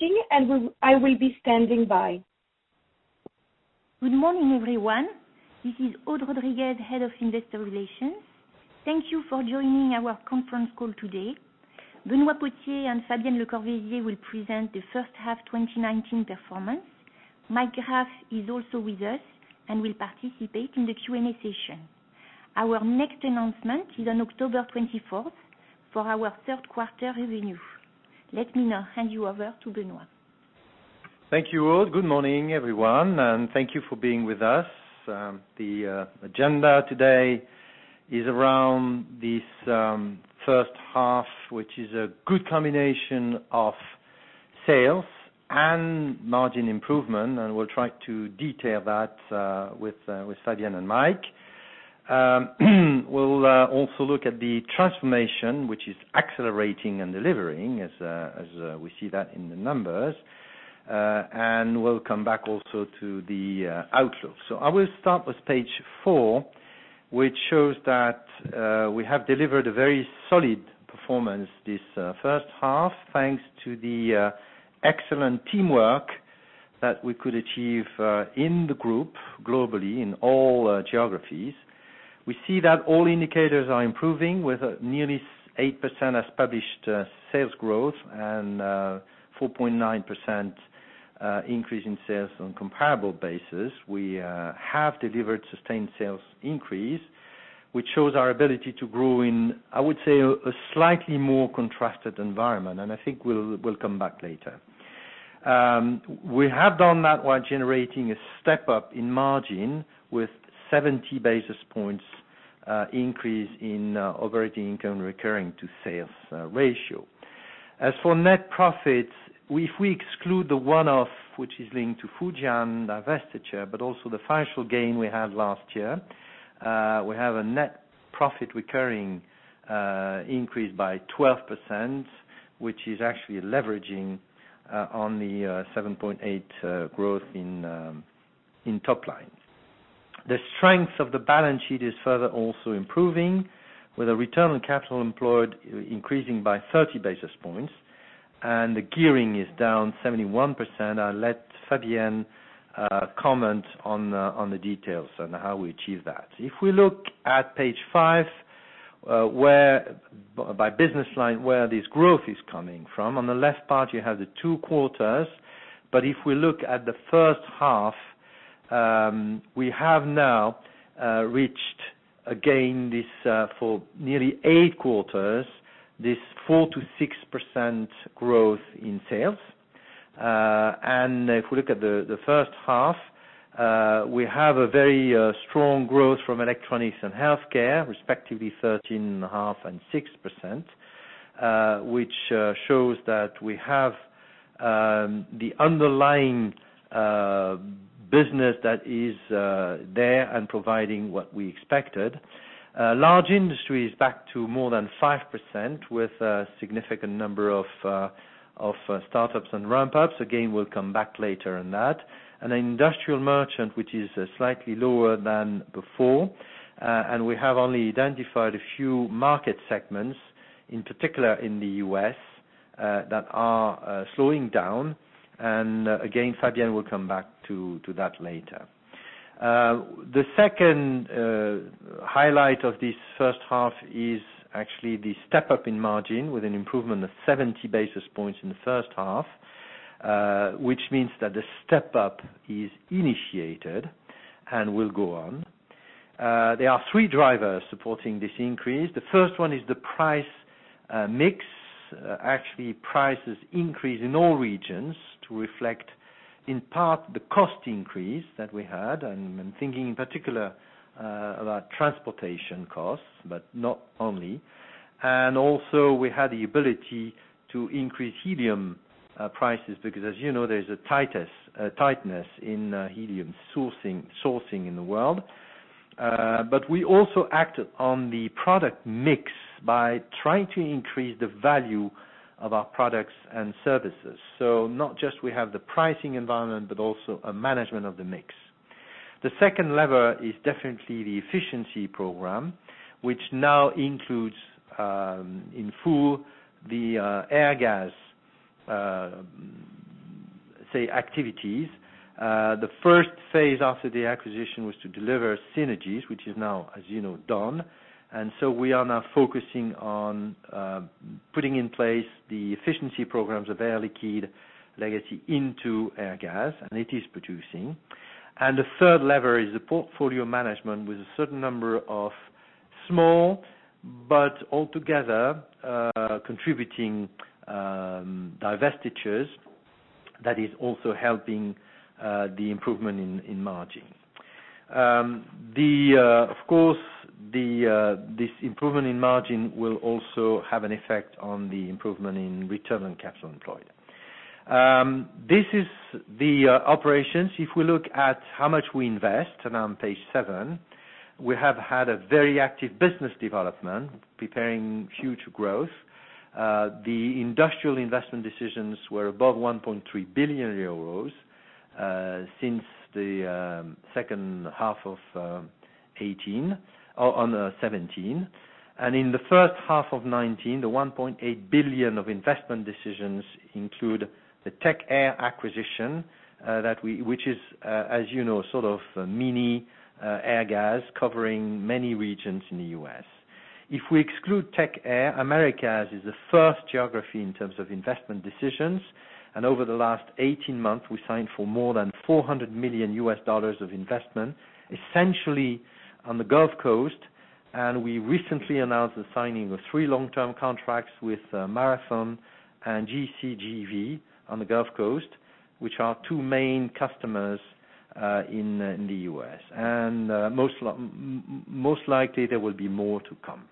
Good morning, everyone. This is Aude Rodriguez, Head of Investor Relations. Thank you for joining our conference call today. Benoît Potier and Fabienne Lecorvaisier will present the first half 2019 performance. Mike Graff is also with us and will participate in the Q&A session. Our next announcement is on October 24th for our third quarter revenue. Let me now hand you over to Benoît. Thank you, Aude. Good morning, everyone, thank you for being with us. The agenda today is around this first half, which is a good combination of sales and margin improvement, and we'll try to detail that with Fabienne and Mike. We'll also look at the transformation, which is accelerating and delivering as we see that in the numbers. We'll come back also to the outlook. I will start with page four, which shows that we have delivered a very solid performance this first half, thanks to the excellent teamwork that we could achieve in the group globally in all geographies. We see that all indicators are improving with nearly 8% as published sales growth and 4.9% increase in sales on comparable basis. We have delivered sustained sales increase, which shows our ability to grow in, I would say, a slightly more contrasted environment, and I think we will come back later. We have done that while generating a step-up in margin with 70 basis points increase in operating income recurring to sales ratio. As for net profits, if we exclude the one-off, which is linked to Fujian divestiture, but also the financial gain we had last year, we have a net profit recurring increase by 12%, which is actually leveraging on the 7.8 growth in top line. The strength of the balance sheet is further also improving, with a return on capital employed increasing by 30 basis points, and the gearing is down 71%. I will let Fabienne comment on the details on how we achieve that. If we look at page five, by business line, where this growth is coming from. On the left part, you have the two quarters. If we look at the first half, we have now reached again, for nearly eight quarters, this 4%-6% growth in sales. If we look at the first half, we have a very strong growth from Electronics and Healthcare, respectively 13.5% and 6%, which shows that we have the underlying business that is there and providing what we expected. Large Industries is back to more than 5% with a significant number of start-ups and ramp-ups. Again, we'll come back later on that. An Industrial Merchant, which is slightly lower than before. We have only identified a few market segments, in particular in the U.S., that are slowing down. Again, Fabienne will come back to that later. The second highlight of this first half is actually the step-up in margin with an improvement of 70 basis points in the first half, which means that the step-up is initiated and will go on. There are three drivers supporting this increase. The first one is the price mix. Actually, prices increase in all regions to reflect in part the cost increase that we had. I'm thinking in particular about transportation costs, but not only. Also we had the ability to increase helium prices because, as you know, there's a tightness in helium sourcing in the world. We also acted on the product mix by trying to increase the value of our products and services. Not just we have the pricing environment, but also a management of the mix. The second lever is definitely the efficiency program, which now includes in full the Airgas activities. The first phase after the acquisition was to deliver synergies, which is now, as you know, done. We are now focusing on putting in place the efficiency programs of Air Liquide legacy into Airgas, and it is producing. The third lever is the portfolio management with a certain number of small but altogether contributing divestitures that is also helping the improvement in margin. Of course, this improvement in margin will also have an effect on the improvement in return on capital employed. This is the operations. If we look at how much we invest, and on page seven, we have had a very active business development preparing huge growth. The industrial investment decisions were above 1.3 billion euros since the second half of 2018, on 2017. In the first half of 2019, the $1.8 billion of investment decisions include the Tech Air acquisition, which is, as you know, sort of mini Airgas covering many regions in the U.S.. If we exclude Tech Air, Americas is the first geography in terms of investment decisions, and over the last 18 months, we signed for more than $400 million of investment, essentially on the Gulf Coast. We recently announced the signing of three long-term contracts with Marathon and GCGV on the Gulf Coast, which are two main customers in the U.S. Most likely, there will be more to come.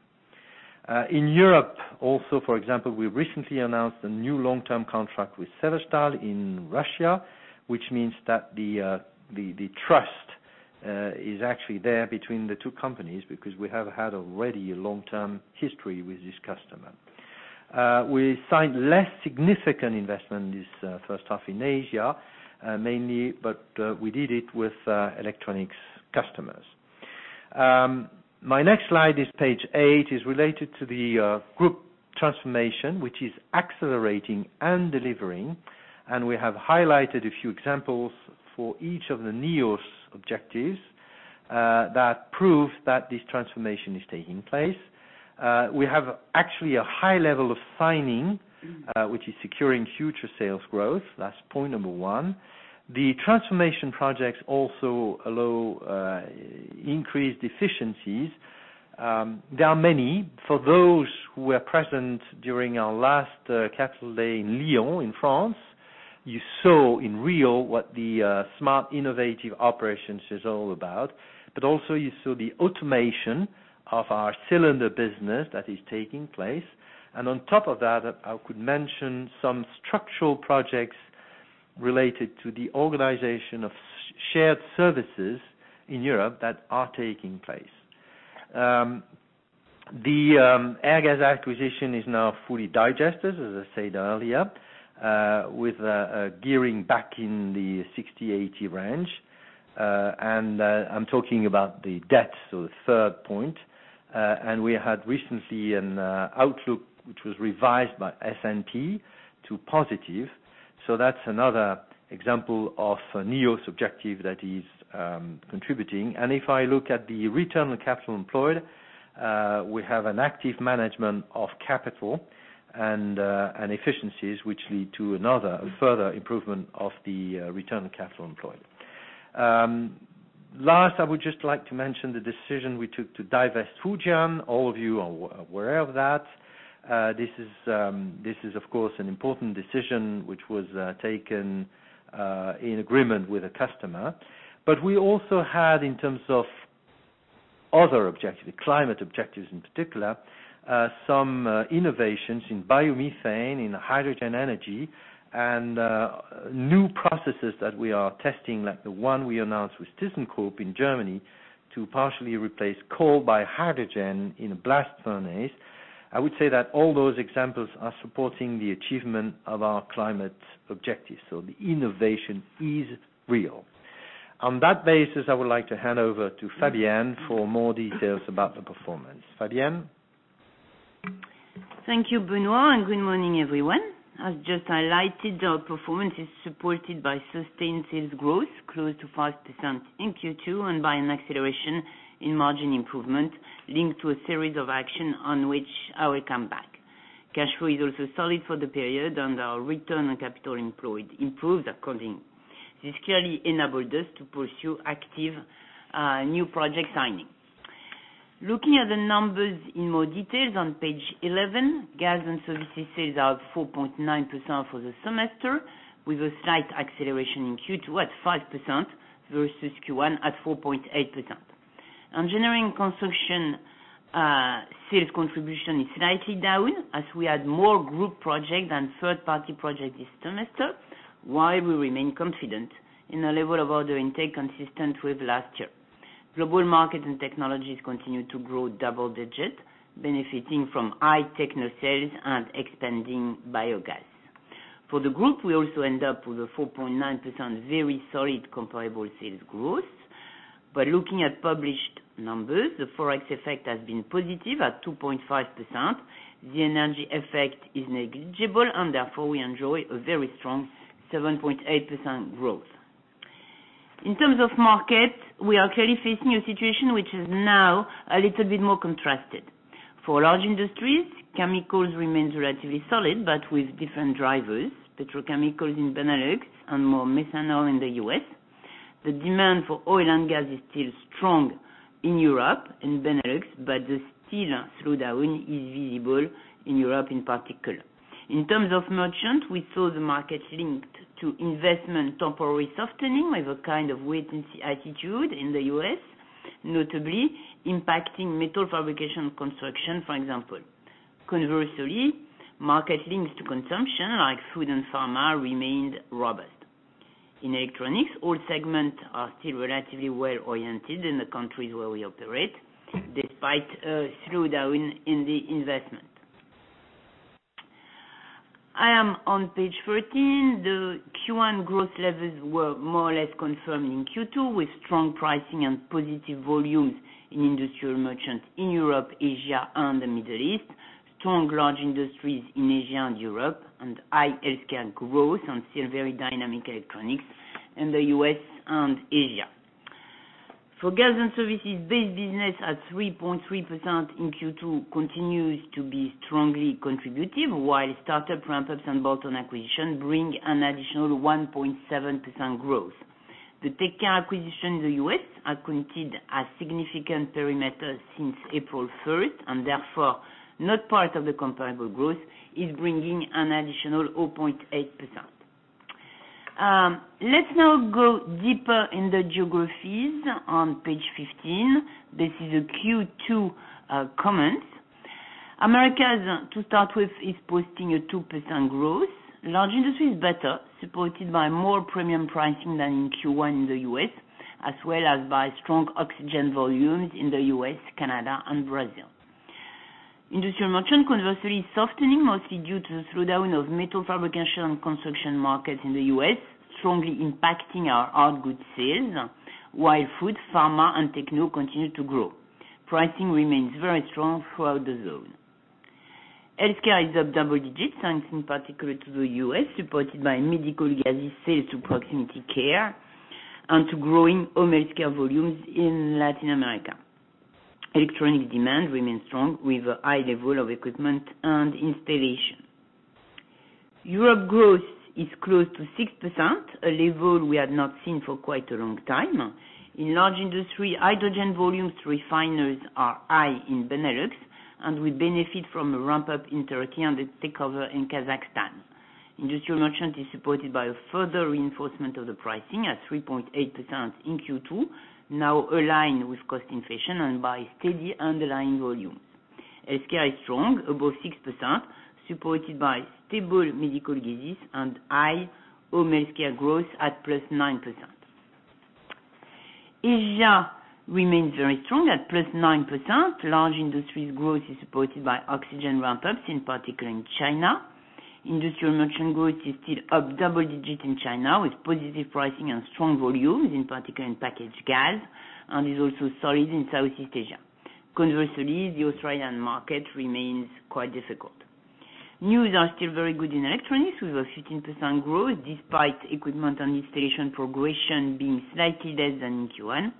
In Europe also, for example, we recently announced a new long-term contract with Severstal in Russia, which means that the trust is actually there between the two companies, because we have had already a long-term history with this customer. We signed less significant investment this first half in Asia, mainly, but we did it with electronics customers. My next slide is page eight, is related to the group transformation, which is accelerating and delivering. We have highlighted a few examples for each of the NEOS objectives that prove that this transformation is taking place. We have actually a high level of signing, which is securing future sales growth. That's point number one. The transformation projects also allow increased efficiencies. There are many. For those who were present during our last Capital Markets Day in Lyon in France, you saw in real what the Smart Innovative Operations is all about, but also you saw the automation of our cylinder business that is taking place. On top of that, I could mention some structural projects related to the organization of shared services in Europe that are taking place. The Airgas acquisition is now fully digested, as I said earlier, with gearing back in the 60-80 range. I'm talking about the debt, so the third point. We had recently an outlook, which was revised by S&P to positive. That's another example of NEOS' objective that is contributing. If I look at the return on capital employed, we have an active management of capital and efficiencies, which lead to another further improvement of the return on capital employed. Last, I would just like to mention the decision we took to divest Fujian. All of you are aware of that. This is, of course, an important decision which was taken in agreement with a customer. We also had, in terms of other objectives, climate objectives in particular, some innovations in biomethane, in hydrogen energy, and new processes that we are testing, like the one we announced with ThyssenKrupp in Germany to partially replace coal by hydrogen in a blast furnace. I would say that all those examples are supporting the achievement of our climate objectives. The innovation is real. On that basis, I would like to hand over to Fabienne for more details about the performance. Fabienne? Thank you, Benoît, good morning, everyone. As just highlighted, our performance is supported by sustained sales growth close to 5% in Q2 and by an acceleration in margin improvement linked to a series of action on which I will come back. Cash flow is also solid for the period, our return on capital employed improved accordingly. This clearly enabled us to pursue active new project signing. Looking at the numbers in more details on page 11, gas and services sales are 4.9% for the semester, with a slight acceleration in Q2 at 5% versus Q1 at 4.8%. Engineering construction sales contribution is slightly down as we had more group project than third-party project this semester, while we remain confident in a level of order intake consistent with last year. Global Markets & Technologies continue to grow double digit, benefiting from high techno sales and expanding biogas. For the group, we also end up with a 4.9% very solid comparable sales growth. By looking at published numbers, the Forex effect has been positive at 2.5%. Therefore we enjoy a very strong 7.8% growth. In terms of market, we are clearly facing a situation which is now a little bit more contrasted. For large industries, chemicals remain relatively solid but with different drivers, petrochemicals in Benelux and more methanol in the U.S. The demand for oil and gas is still strong in Europe, in Benelux, the steel slowdown is visible in Europe in particular. In terms of merchant, we saw the market linked to investment temporary softening with a kind of wait-and-see attitude in the U.S., notably impacting metal fabrication construction, for example. Conversely, markets linked to consumption like food and pharma remained robust. In electronics, all segments are still relatively well-oriented in the countries where we operate, despite a slowdown in the investment. I am on Page 14. The Q1 growth levels were more or less confirmed in Q2, with strong pricing and positive volumes in industrial merchants in Europe, Asia, and the Middle East, strong large industries in Asia and Europe, and high healthcare growth, and still very dynamic electronics in the U.S. and Asia. For Gas & Services, base business at 3.3% in Q2 continues to be strongly contributive, while start-up ramp-ups and bolt-on acquisition bring an additional 1.7% growth. The Tech Air acquisition in the U.S. are counted as significant perimeter since April 3rd, and therefore, not part of the comparable growth, is bringing an additional 0.8%. Let's now go deeper in the geographies on Page 15. This is a Q2 comment. Americas, to start with, is posting a 2% growth. Large Industries is better, supported by more premium pricing than in Q1 in the U.S., as well as by strong oxygen volumes in the U.S., Canada, and Brazil. Industrial Merchant, conversely, is softening, mostly due to the slowdown of metal fabrication and construction markets in the U.S., strongly impacting our hard goods sales, while food, pharma, and techno continue to grow. Pricing remains very strong throughout the zone. Healthcare is up double-digits, thanks in particular to the U.S., supported by medical gases sales to proximity care, and to growing home healthcare volumes in Latin America. Electronics demand remains strong with a high level of equipment and installation. Europe growth is close to 6%, a level we had not seen for quite a long time. In Large Industries, hydrogen volumes through refiners are high in Benelux, and we benefit from a ramp-up in Turkey and a takeover in Kazakhstan. Industrial Merchant is supported by a further reinforcement of the pricing at 3.8% in Q2, now aligned with cost inflation and by steady underlying volumes. Healthcare is strong, above 6%, supported by stable medical gases and high home healthcare growth at +9%. Asia remains very strong at +9%. Large Industries' growth is supported by oxygen ramp-ups, in particular in China. Industrial Merchant growth is still up double digits in China, with positive pricing and strong volumes, in particular in packaged gas, and is also solid in Southeast Asia. Conversely, the Australian market remains quite difficult. News are still very good in Electronics, with a 15% growth despite equipment and installation progression being slightly less than in Q1.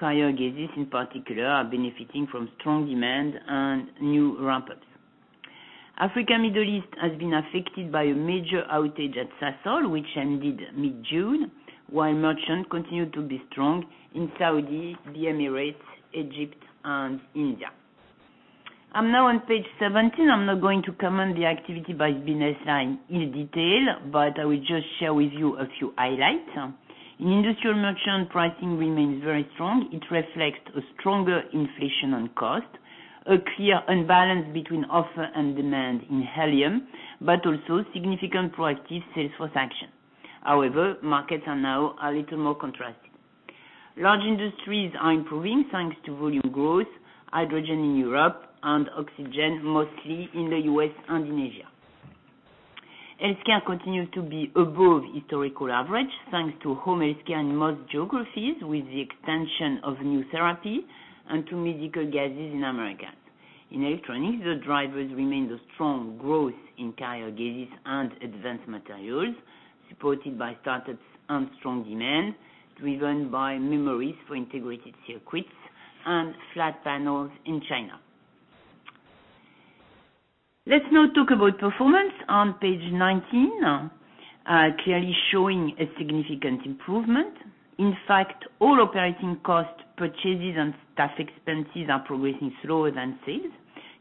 Cryo gases, in particular, are benefiting from strong demand and new ramp-ups. Africa, Middle East has been affected by a major outage at Sasol, which ended mid-June, while merchant continued to be strong in Saudi, the Emirates, Egypt, and India. I'm now on Page 17. I'm not going to comment the activity by business line in detail, I will just share with you a few highlights. In industrial merchant, pricing remains very strong. It reflects a stronger inflation on cost, a clear unbalance between offer and demand in helium, but also significant proactive sales force action. Markets are now a little more contrasting. Large industries are improving, thanks to volume growth, hydrogen in Europe, and oxygen, mostly in the U.S. and in Asia. Healthcare continues to be above historical average, thanks to home healthcare in most geographies, with the extension of new therapy and to medical gases in Americas. In electronics, the drivers remain the strong growth in Cryo gases and Advanced Materials, supported by start-ups and strong demand, driven by memories for integrated circuits and flat panels in China. Let's now talk about performance on page 19, clearly showing a significant improvement. In fact, all operating costs, purchases, and staff expenses are progressing slower than sales.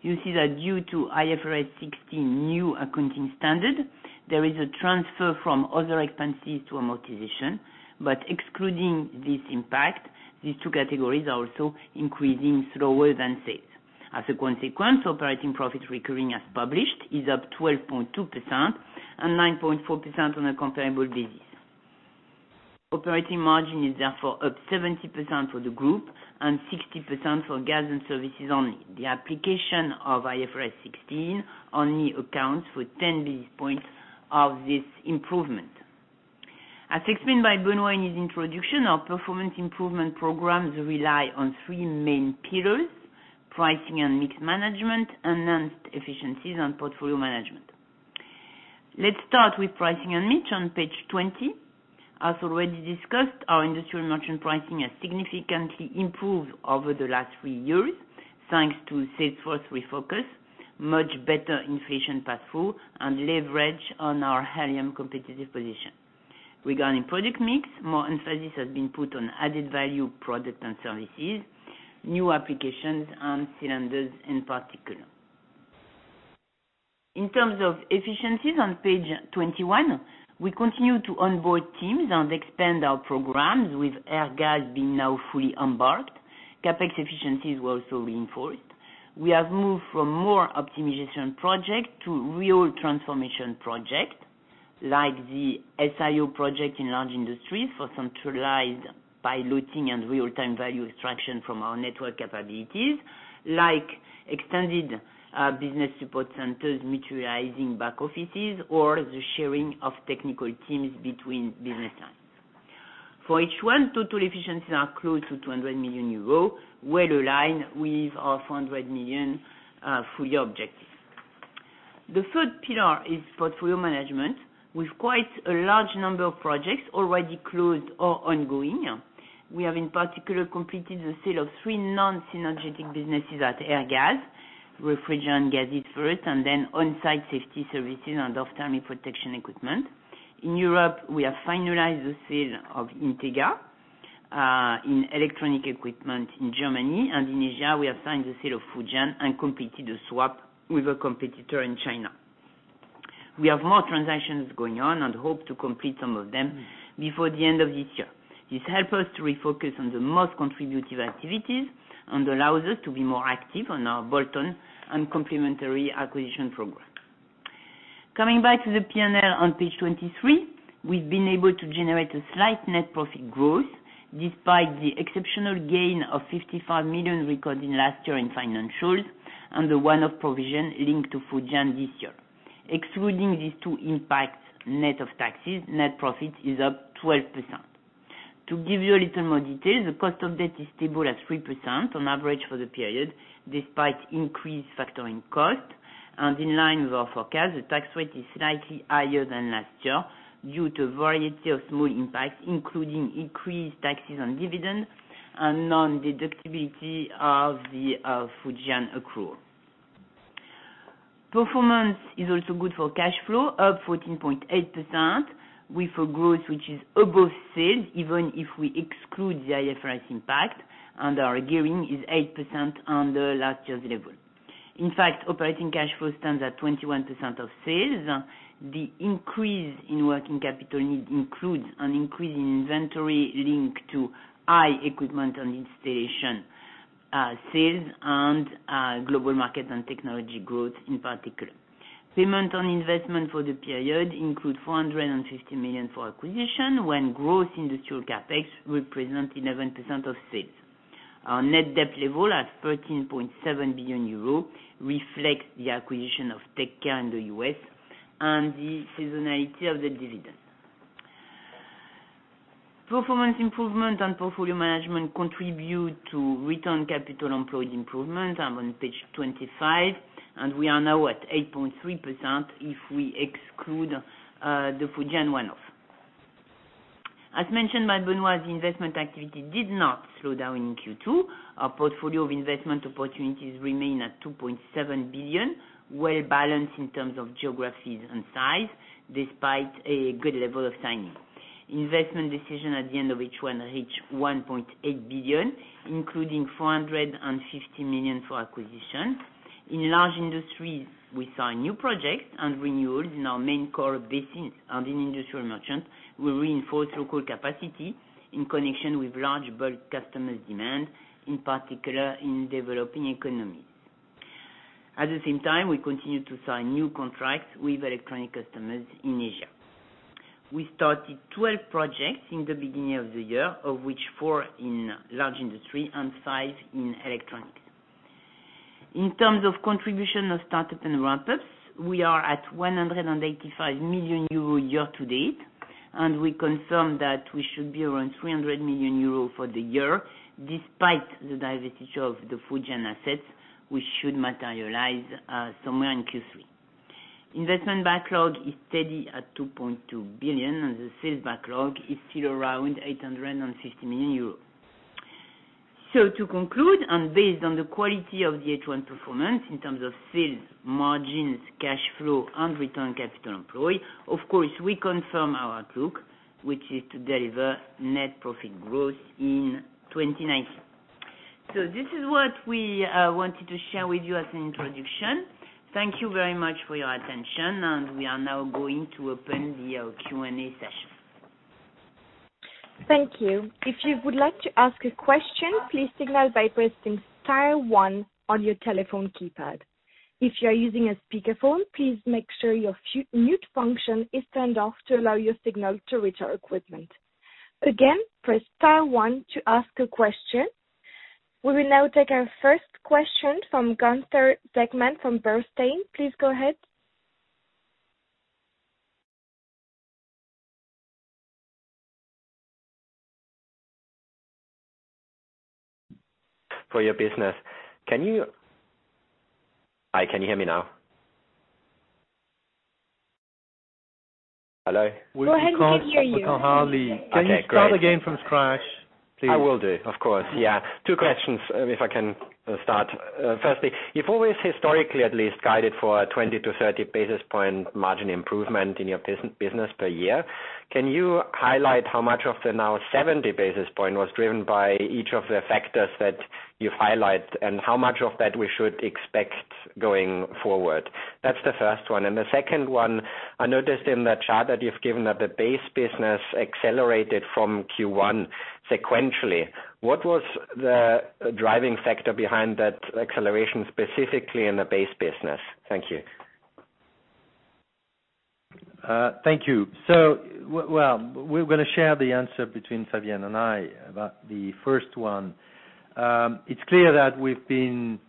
You see that due to IFRS 16 new accounting standard, there is a transfer from other expenses to amortization. Excluding this impact, these two categories are also increasing slower than sales. As a consequence, operating profit recurring as published is up 12.2% and 9.4% on a comparable basis. Operating margin is therefore up 70% for the group and 16% for Gas and Services only. The application of IFRS 16 only accounts for 10 basis points of this improvement. As explained by Benoît in his introduction, our performance improvement programs rely on three main pillars: pricing and mix management, enhanced efficiencies, and portfolio management. Let's start with pricing and mix on Page 20. As already discussed, our industrial merchant pricing has significantly improved over the last three years, thanks to sales force refocus, much better inflation pass-through, and leverage on our helium competitive position. Regarding product mix, more emphasis has been put on added-value products and services, new applications, and cylinders, in particular. In terms of efficiencies on Page 21, we continue to onboard teams and expand our programs, with Airgas being now fully embarked. CapEx efficiencies were also reinforced. We have moved from more optimization project to real transformation project. Like the SIO project in large industries for centralized piloting and real-time value extraction from our network capabilities, like extended business support centers materializing back offices, or the sharing of technical teams between business lines. For H1, total efficiencies are close to 200 million euros, well-aligned with our 400 million full-year objective. The third pillar is portfolio management, with quite a large number of projects already closed or ongoing. We have in particular completed the sale of three non-synergetic businesses at Airgas, refrigerant gases first, and then on-site safety services and thermal protection equipment. In Europe, we have finalized the sale of INTEGA in electronic equipment in Germany. In Asia, we have signed the sale of Fujian and completed a swap with a competitor in China. We have more transactions going on and hope to complete some of them before the end of this year. This help us to refocus on the most contributive activities and allows us to be more active on our bolt-on and complementary acquisition program. Coming back to the P&L on page 23, we've been able to generate a slight net profit growth despite the exceptional gain of 55 million recorded last year in financials and the one-off provision linked to Fujian this year. Excluding these two impacts, net of taxes, net profit is up 12%. To give you a little more detail, the cost of debt is stable at 3% on average for the period despite increased factoring cost. In line with our forecast, the tax rate is slightly higher than last year due to a variety of small impacts, including increased taxes on dividends and non-deductibility of the Fujian accrual. Performance is also good for cash flow, up 14.8%, with a growth which is above sales even if we exclude the IFRS impact, and our gearing is 8% on the last year's level. In fact, operating cash flow stands at 21% of sales. The increase in working capital needs includes an increase in inventory linked to high equipment and installation sales and Global Markets & Technologies growth in particular. Payment on investment for the period include 450 million for acquisition, when growth industrial CapEx represent 11% of sales. Our net debt level at 13.7 billion euro reflects the acquisition of Tech Air in the U.S. and the seasonality of the dividend. Performance improvement and portfolio management contribute to return capital employed improvement. I'm on page 25. We are now at 8.3% if we exclude the Fujian one-off. As mentioned by Benoît, the investment activity did not slow down in Q2. Our portfolio of investment opportunities remain at 2.7 billion, well-balanced in terms of geographies and size despite a good level of signing. Investment decision at the end of H1 reached 1.8 billion, including 450 million for acquisition. In Large Industries, we sign new projects and renewals in our main core basins. In Industrial Merchants, we reinforce local capacity in connection with large bulk customers demand, in particular in developing economies. At the same time, we continue to sign new contracts with Electronics customers in Asia. We started 12 projects in the beginning of the year, of which four in Large Industries and five in Electronics. In terms of contribution of startup and ramp-ups, we are at 185 million euro year to date, and we confirm that we should be around 300 million euro for the year despite the divestiture of the Fujian assets, which should materialize somewhere in Q3. Investment backlog is steady at 2.2 billion, and the sales backlog is still around 850 million euros. To conclude, and based on the quality of the H1 performance in terms of sales, margins, cash flow, and return capital employed, of course, we confirm our outlook, which is to deliver net profit growth in 2019. This is what we wanted to share with you as an introduction. Thank you very much for your attention, and we are now going to open the Q&A session. Thank you. If you would like to ask a question, please signal by pressing star one on your telephone keypad. If you are using a speakerphone, please make sure your mute function is turned off to allow your signal to reach our equipment. Again, press star one to ask a question. We will now take our first question from Gunther Zechmann from Bernstein. Please go ahead. For your business. Hi, can you hear me now? Hello? Go ahead. We can hear you. Can you start again from scratch, please? I will do. Of course, yeah. Two questions, if I can start. Firstly, you've always historically at least guided for a 20 to 30 basis point margin improvement in your business per year. Can you highlight how much of the now 70 basis point was driven by each of the factors that you've highlight, and how much of that we should expect going forward? That's the first one. The second one, I noticed in the chart that you've given that the base business accelerated from Q1 sequentially. What was the driving factor behind that acceleration, specifically in the base business? Thank you. Thank you. Well, we're going to share the answer between Fabienne and I about the first one. It's clear that we've been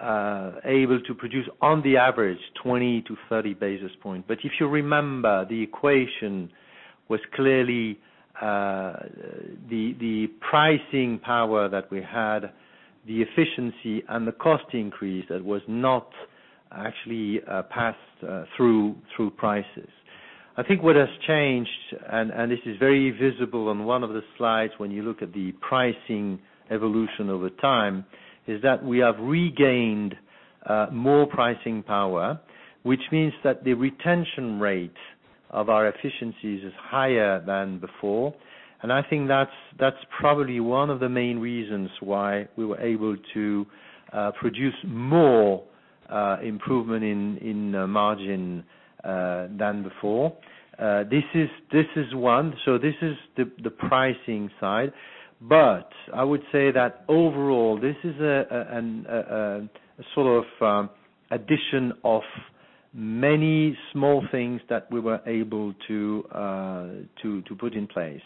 able to produce, on the average, 20 to 30 basis points. If you remember, the equation was clearly the pricing power that we had, the efficiency, and the cost increase that was not actually passed through prices. I think what has changed, and this is very visible on one of the slides when you look at the pricing evolution over time, is that we have regained more pricing power, which means that the retention rate of our efficiencies is higher than before. I think that's probably one of the main reasons why we were able to produce more improvement in margin than before. This is one. This is the pricing side. I would say that overall, this is a sort of addition of many small things that we were able to put in place.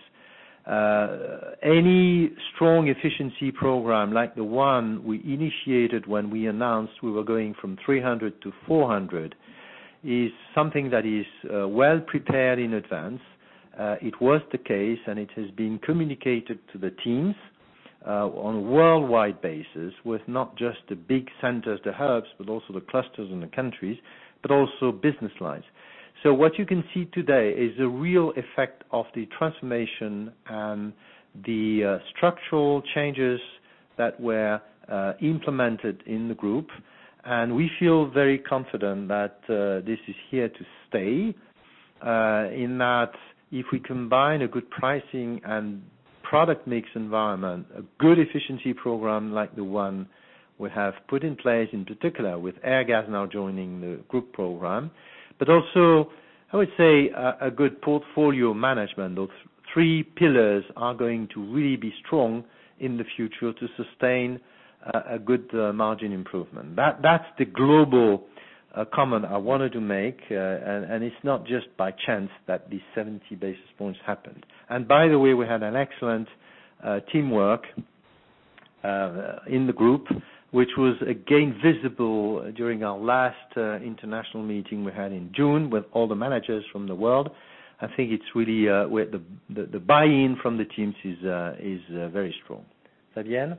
Any strong efficiency program, like the one we initiated when we announced we were going from 300 to 400, is something that is well prepared in advance. It was the case, and it has been communicated to the teams on a worldwide basis with not just the big centers, the hubs, but also the clusters and the countries, but also business lines. What you can see today is the real effect of the transformation and the structural changes that were implemented in the group. We feel very confident that this is here to stay, in that if we combine a good pricing and product mix environment, a good efficiency program like the one we have put in place, in particular with Airgas now joining the group program. Also, I would say, a good portfolio management. Those three pillars are going to really be strong in the future to sustain a good margin improvement. That's the global comment I wanted to make. It's not just by chance that these 70 basis points happened. By the way, we had an excellent teamwork in the group, which was again visible during our last international meeting we had in June with all the managers from the world. I think the buy-in from the teams is very strong. Fabienne?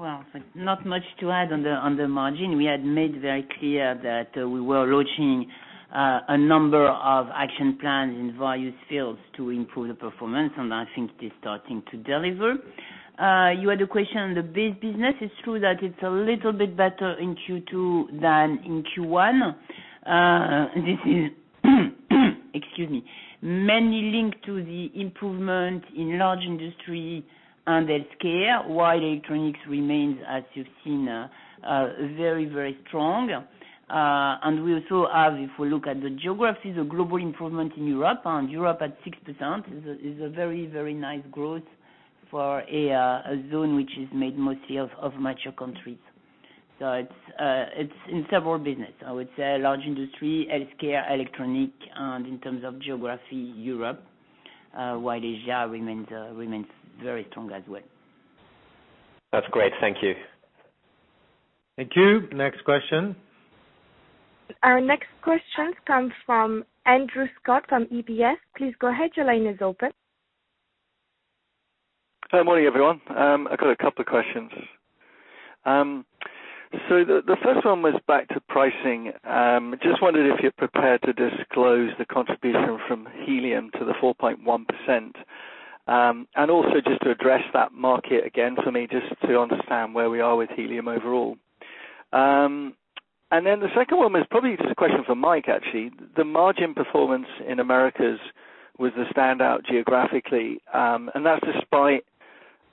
Well, not much to add on the margin. We had made very clear that we were launching a number of action plans in various fields to improve the performance, and I think it is starting to deliver. You had a question on the base business. It's true that it's a little bit better in Q2 than in Q1. This is excuse me, mainly linked to the improvement in Large Industries and Healthcare, while Electronics remains, as you've seen, very strong. We also have, if we look at the geographies, a global improvement in Europe, and Europe at 6% is a very nice growth for a zone which is made mostly of mature countries. It's in several business. I would say Large Industries, Healthcare, Electronics, and in terms of geography, Europe, while Asia remains very strong as well. That's great. Thank you. Thank you. Next question. Our next question comes from Andrew Stott from UBS. Please go ahead. Your line is open. Morning, everyone. I've got a couple of questions. The first one was back to pricing. Just wondered if you're prepared to disclose the contribution from helium to the 4.1%, and also just to address that market again for me, just to understand where we are with helium overall. The second one was probably just a question for Mike, actually. The margin performance in Americas was the standout geographically, and that's despite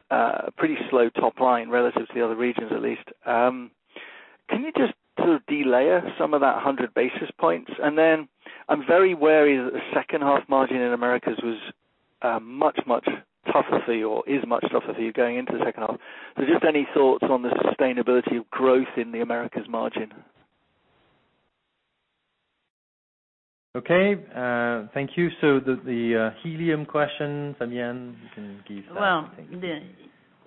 a pretty slow top line relative to the other regions, at least. Can you just sort of delayer some of that 100 basis points? I'm very wary that the second half margin in Americas was much tougher for you, or is much tougher for you going into the second half. Just any thoughts on the sustainability of growth in the Americas margin? Thank you. The helium question, Fabienne, you can give that. Well,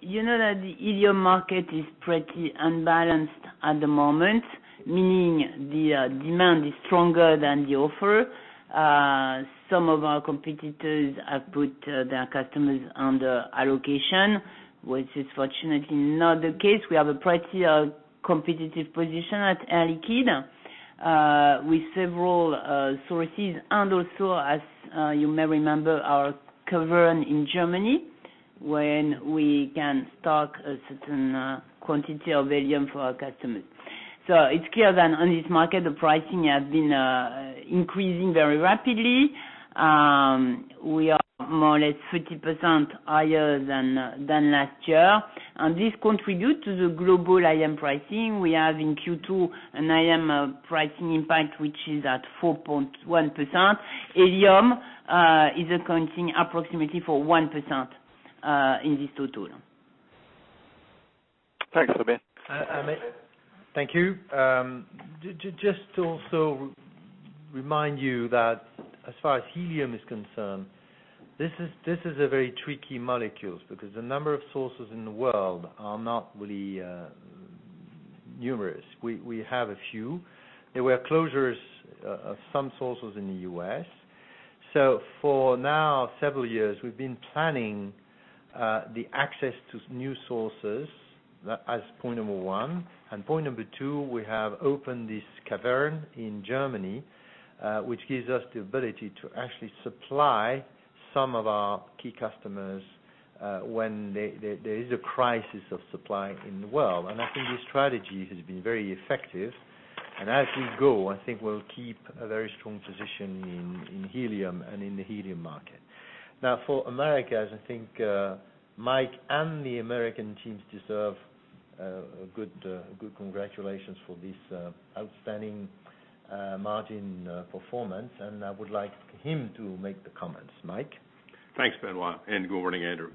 you know that the helium market is pretty unbalanced at the moment, meaning the demand is stronger than the offer. Some of our competitors have put their customers under allocation, which is fortunately not the case. We have a pretty competitive position at Air Liquide, with several sources and also, as you may remember, our cavern in Germany, when we can stock a certain quantity of helium for our customers. It's clear that on this market, the pricing has been increasing very rapidly. We are more or less 30% higher than last year, and this contributes to the global IM pricing. We have in Q2 an IM pricing impact, which is at 4.1%. Helium is accounting approximately for 1% in this total. Thanks, Fabien. Thank you. Just to also remind you that as far as helium is concerned, this is a very tricky molecule because the number of sources in the world are not really numerous. We have a few. There were closures of some sources in the U.S.. For now, several years, we've been planning the access to new sources as point number one, and point number two, we have opened this cavern in Germany, which gives us the ability to actually supply some of our key customers when there is a crisis of supply in the world. I think this strategy has been very effective, and as we go, I think we'll keep a very strong position in helium and in the helium market. Now for Americas, I think Mike and the American teams deserve a good congratulations for this outstanding margin performance, and I would like him to make the comments. Mike? Thanks, Benoît, and good morning, Andrew.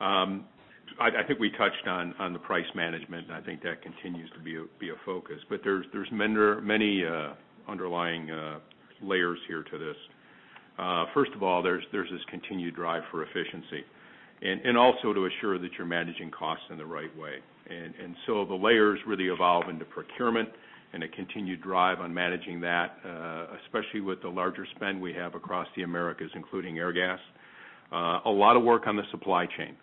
I think we touched on the price management, and I think that continues to be a focus. There's many underlying layers here to this. First of all, there's this continued drive for efficiency and also to assure that you're managing costs in the right way. The layers really evolve into procurement and a continued drive on managing that, especially with the larger spend we have across the Americas, including Airgas. A lot of work on the supply chain.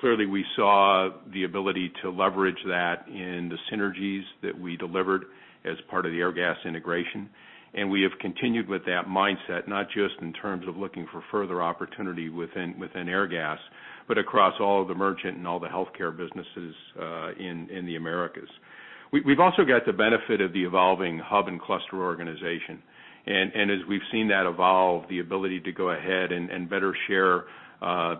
Clearly, we saw the ability to leverage that in the synergies that we delivered as part of the Airgas integration, and we have continued with that mindset, not just in terms of looking for further opportunity within Airgas, but across all of the merchant and all the healthcare businesses in the Americas. We've also got the benefit of the evolving hub and cluster organization. As we've seen that evolve, the ability to go ahead and better share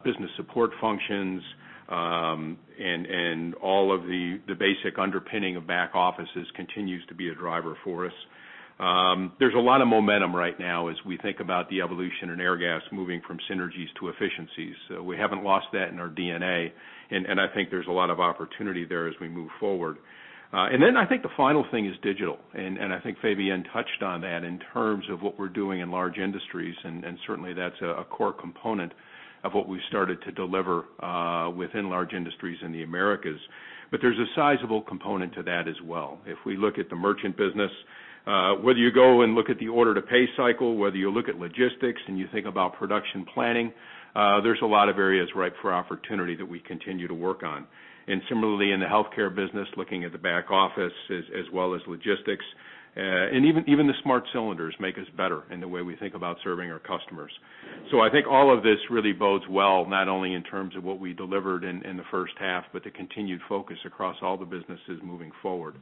business support functions, and all of the basic underpinning of back offices continues to be a driver for us. There's a lot of momentum right now as we think about the evolution in Airgas moving from synergies to efficiencies. We haven't lost that in our DNA, and I think there's a lot of opportunity there as we move forward. I think the final thing is digital, and I think Fabienne touched on that in terms of what we're doing in Large Industries, and certainly, that's a core component of what we've started to deliver within Large Industries in the Americas. There's a sizable component to that as well. If we look at the merchant business, whether you go and look at the order-to-pay cycle, whether you look at logistics, and you think about production planning, there's a lot of areas ripe for opportunity that we continue to work on. Similarly, in the healthcare business, looking at the back office as well as logistics. Even the smart cylinders make us better in the way we think about serving our customers. I think all of this really bodes well, not only in terms of what we delivered in the first half, but the continued focus across all the businesses moving forward.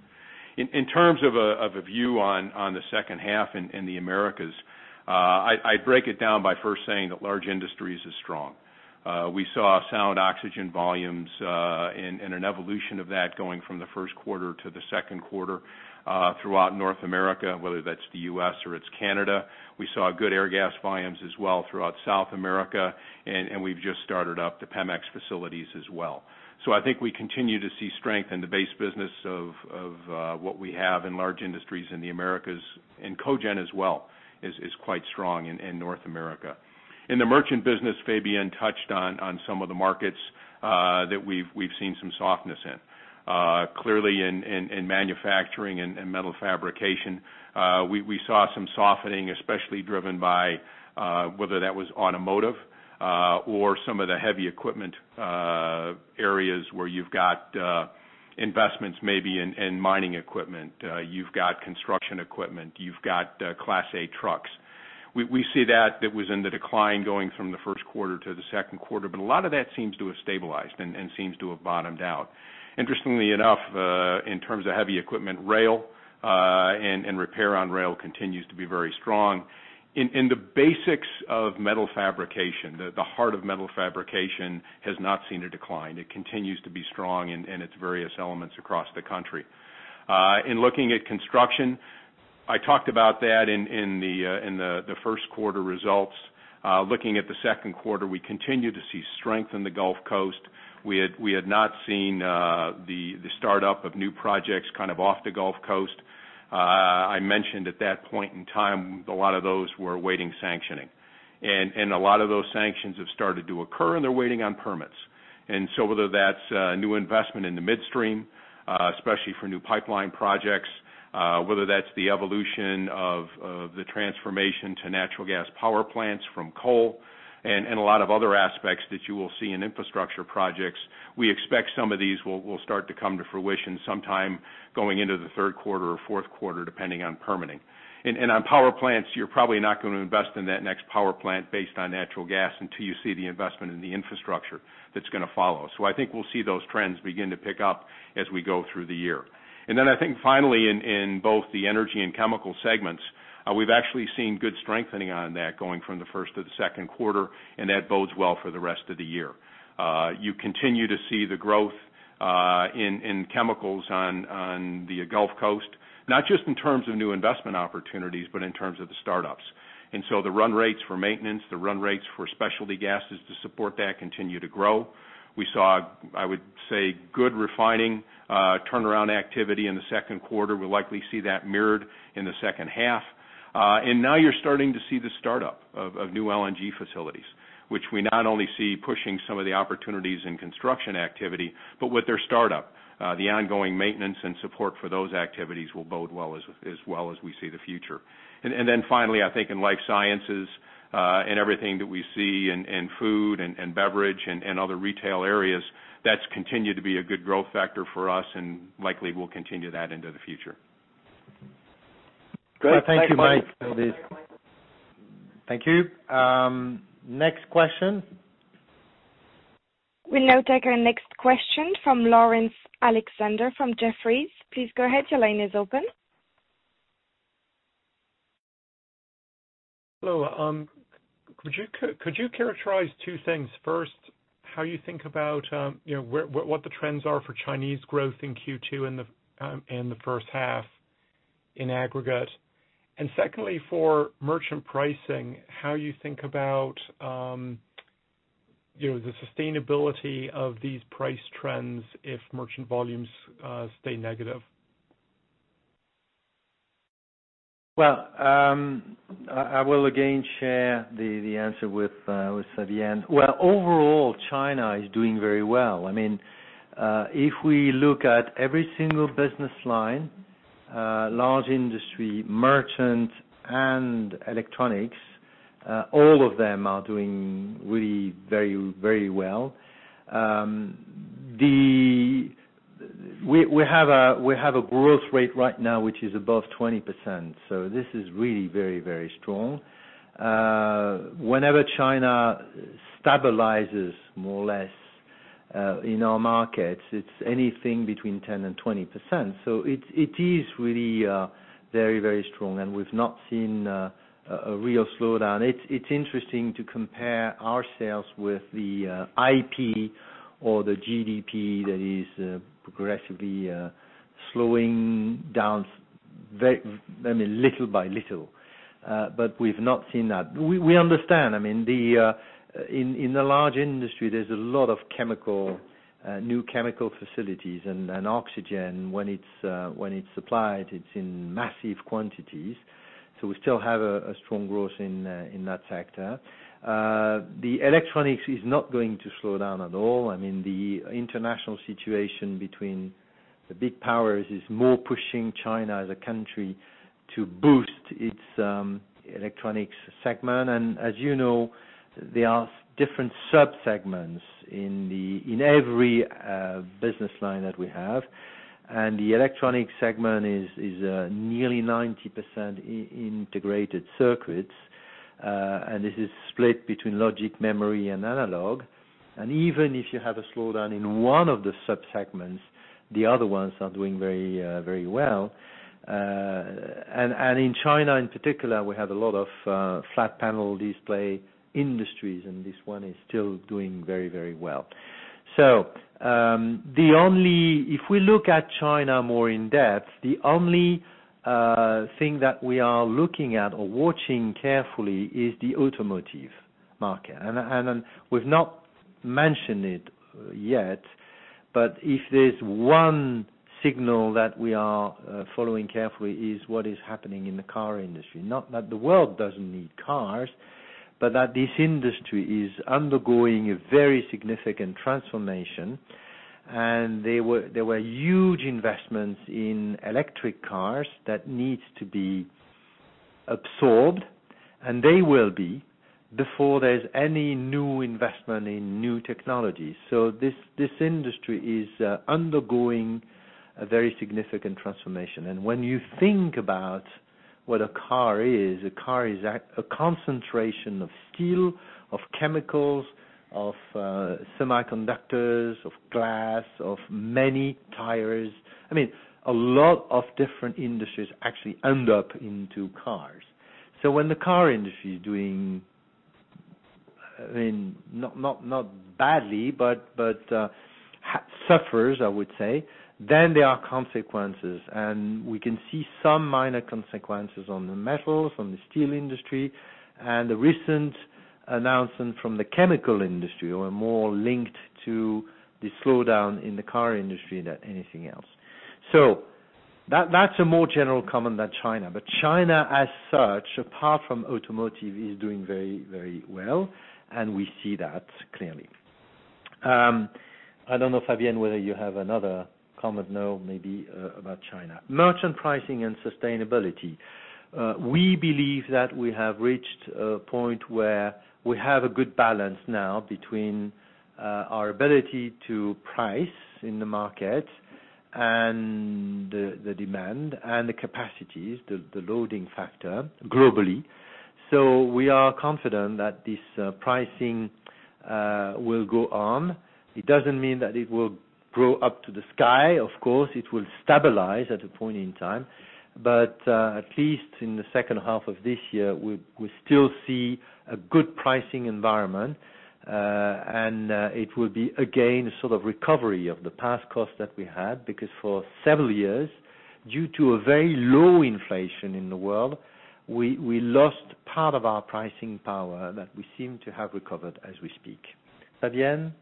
In terms of a view on the second half in the Americas, I break it down by first saying that Large Industries is strong. We saw sound oxygen volumes, an evolution of that going from the first quarter to the second quarter, throughout North America, whether that's the U.S. or it's Canada. We saw good Airgas volumes as well throughout South America, we've just started up the Pemex facilities as well. I think we continue to see strength in the base business of what we have in large industries in the Americas, and cogen as well is quite strong in North America. In the merchant business, Fabienne touched on some of the markets that we've seen some softness in. Clearly in manufacturing and metal fabrication, we saw some softening, especially driven by whether that was automotive, or some of the heavy equipment areas where you've got investments maybe in mining equipment. You've got construction equipment, you've got Class A trucks. We see that was in the decline going from the first quarter to the second quarter, but a lot of that seems to have stabilized and seems to have bottomed out. Interestingly enough, in terms of heavy equipment, rail, and repair on rail continues to be very strong. In the basics of metal fabrication, the heart of metal fabrication has not seen a decline. It continues to be strong in its various elements across the country. In looking at construction, I talked about that in the first quarter results. Looking at the second quarter, we continue to see strength in the Gulf Coast. We had not seen the startup of new projects off the Gulf Coast. I mentioned at that point in time, a lot of those were awaiting sanctioning. A lot of those sanctions have started to occur, and they're waiting on permits. Whether that's new investment in the midstream, especially for new pipeline projects, whether that's the evolution of the transformation to natural gas power plants from coal, and a lot of other aspects that you will see in infrastructure projects. We expect some of these will start to come to fruition sometime going into the third quarter or fourth quarter, depending on permitting. On power plants, you're probably not going to invest in that next power plant based on natural gas until you see the investment in the infrastructure that's going to follow. I think we'll see those trends begin to pick up as we go through the year. I think finally in both the energy and chemical segments, we've actually seen good strengthening on that going from the first to the second quarter, and that bodes well for the rest of the year. You continue to see the growth in chemicals on the Gulf Coast, not just in terms of new investment opportunities, but in terms of the startups. The run rates for maintenance, the run rates for specialty gases to support that continue to grow. We saw, I would say, good refining turnaround activity in the second quarter. We'll likely see that mirrored in the second half. Now you're starting to see the startup of new LNG facilities, which we not only see pushing some of the opportunities in construction activity, but with their startup. The ongoing maintenance and support for those activities will bode well as we see the future. Finally, I think in life sciences and everything that we see in food and beverage and other retail areas, that's continued to be a good growth factor for us and likely will continue that into the future. Thank you, Mike. Thank you. Next question. We'll now take our next question from Laurence Alexander from Jefferies. Please go ahead. Your line is open. Could you characterize two things? First, how you think about what the trends are for Chinese growth in Q2 in the first half in aggregate? Secondly, for merchant pricing, how you think about the sustainability of these price trends if merchant volumes stay negative? I will again share the answer with Fabienne. Overall, China is doing very well. If we look at every single business line, Large Industries, Merchant, and Electronics, all of them are doing really very well. We have a growth rate right now, which is above 20%. This is really very strong. Whenever China stabilizes more or less in our markets, it's anything between 10% and 20%. It is really very strong, and we've not seen a real slowdown. It's interesting to compare our sales with the IP or the GDP that is progressively slowing down little by little. We've not seen that. We understand, in the Large Industries, there's a lot of new chemical facilities, and oxygen, when it's supplied, it's in massive quantities. We still have a strong growth in that sector. The Electronics is not going to slow down at all. The international situation between the big powers is more pushing China as a country to boost its electronics segment. As you know, there are different sub-segments in every business line that we have. The electronic segment is nearly 90% integrated circuits. This is split between logic, memory, and analog. Even if you have a slowdown in one of the sub-segments, the other ones are doing very well. In China, in particular, we have a lot of flat panel display industries, and this one is still doing very well. If we look at China more in-depth, the only thing that we are looking at or watching carefully is the automotive market. We've not mentioned it yet, but if there's one signal that we are following carefully is what is happening in the car industry. Not that the world doesn't need cars, but that this industry is undergoing a very significant transformation. There were huge investments in electric cars that needs to be absorbed, and they will be before there's any new investment in new technologies. This industry is undergoing a very significant transformation. When you think about what a car is, a car is a concentration of steel, of chemicals, of semiconductors, of glass, of many tires. A lot of different industries actually end up into cars. When the car industry is doing not badly, but suffers, I would say, then there are consequences. We can see some minor consequences on the metals, on the steel industry. The recent announcement from the chemical industry were more linked to the slowdown in the car industry than anything else. That's a more general comment than China. China as such, apart from automotive, is doing very well, and we see that clearly. I don't know, Fabienne, whether you have another comment now, maybe, about China. Merchant pricing and sustainability. We believe that we have reached a point where we have a good balance now between our ability to price in the market and the demand and the capacities, the loading factor globally. We are confident that this pricing will go on. It doesn't mean that it will grow up to the sky, of course. It will stabilize at a point in time. At least in the second half of this year, we still see a good pricing environment. It will be, again, a sort of recovery of the past cost that we had, because for several years, due to a very low inflation in the world, we lost part of our pricing power that we seem to have recovered as we speak. Fabienne,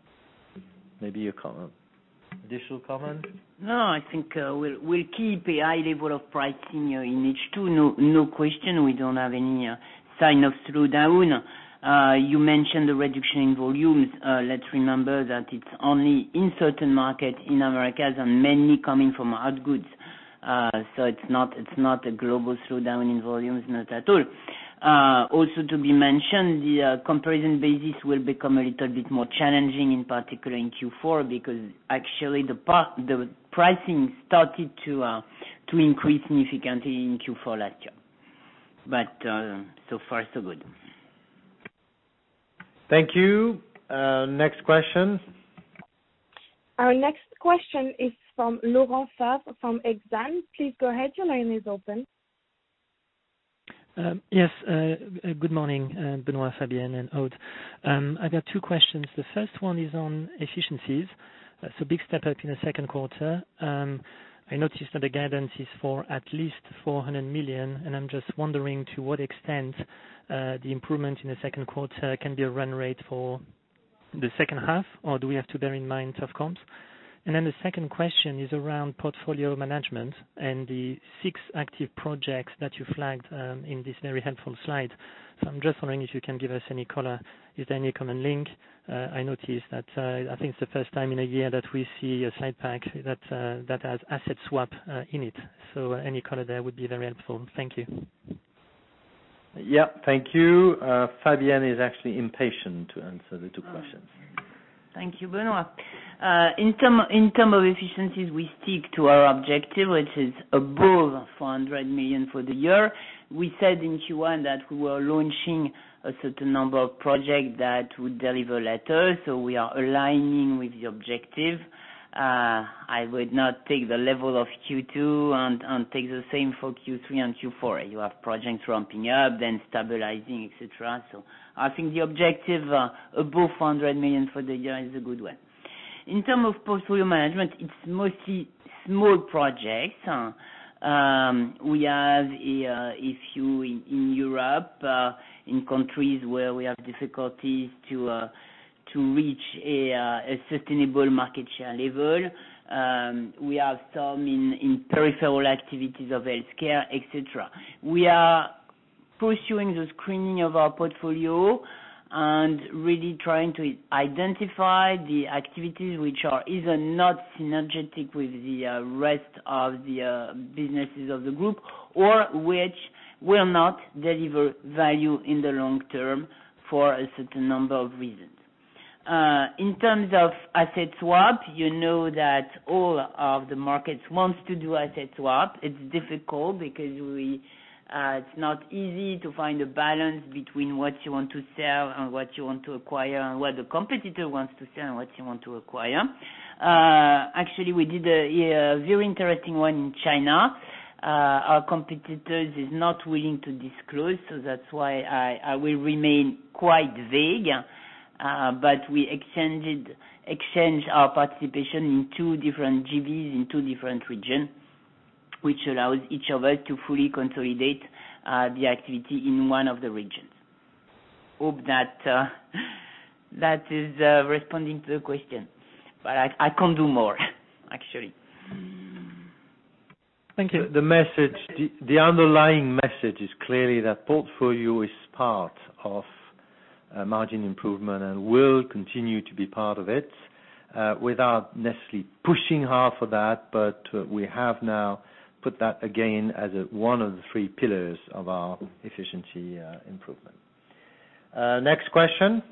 maybe a comment, additional comment? No, I think we'll keep a high level of pricing in H2. No question. We don't have any sign of slowdown. You mentioned the reduction in volumes. Let's remember that it's only in certain markets in Americas and mainly coming from hard goods. It's not a global slowdown in volumes, not at all. Also to be mentioned, the comparison basis will become a little bit more challenging, in particular in Q4, because actually the pricing started to increase significantly in Q4 last year. So far, so good. Thank you. Next question. Our next question is from Laurent Favre from Exane. Please go ahead. Your line is open. Good morning, Benoît, Fabienne, and Aude. I got two questions. The first one is on efficiencies. Big step up in the second quarter. I noticed that the guidance is for at least 400 million, and I'm just wondering to what extent the improvement in the second quarter can be a run rate for the second half, or do we have to bear in mind tough comps? The second question is around portfolio management and the six active projects that you flagged in this very helpful slide. I'm just wondering if you can give us any color. Is there any common link? I noticed that I think it's the first time in a year that we see a slide pack that has asset swap in it? Any color there would be very helpful. Thank you. Thank you. Fabienne is actually impatient to answer the two questions. Thank you, Benoît. In terms of efficiencies, we stick to our objective, which is above 400 million for the year. We said in Q1 that we were launching a certain number of projects that would deliver later. We are aligning with the objective. I would not take the level of Q2 and take the same for Q3 and Q4. You have projects ramping up, then stabilizing, et cetera. I think the objective above 400 million for the year is a good one. In terms of portfolio management, it's mostly small projects. We have a few in Europe, in countries where we have difficulties to reach a sustainable market share level. We have some in peripheral activities of healthcare, et cetera. We are pursuing the screening of our portfolio and really trying to identify the activities which are either not synergetic with the rest of the businesses of the group, or which will not deliver value in the long term for a certain number of reasons. In terms of asset swap, you know that all of the markets wants to do asset swap. It's difficult because it's not easy to find a balance between what you want to sell and what you want to acquire and what the competitors wants to sell and what you want to acquire. Actually, we did a very interesting one in China. Our competitors is not willing to disclose, so that's why I will remain quite vague. We exchanged our participation in two different JVs in two different regions, which allows each of us to fully consolidate the activity in one of the regions. Hope that is responding to the question. I can't do more, actually. Thank you. The underlying message is clearly that portfolio is part of margin improvement and will continue to be part of it without necessarily pushing hard for that. We have now put that again as one of the three pillars of our efficiency improvement. Next question.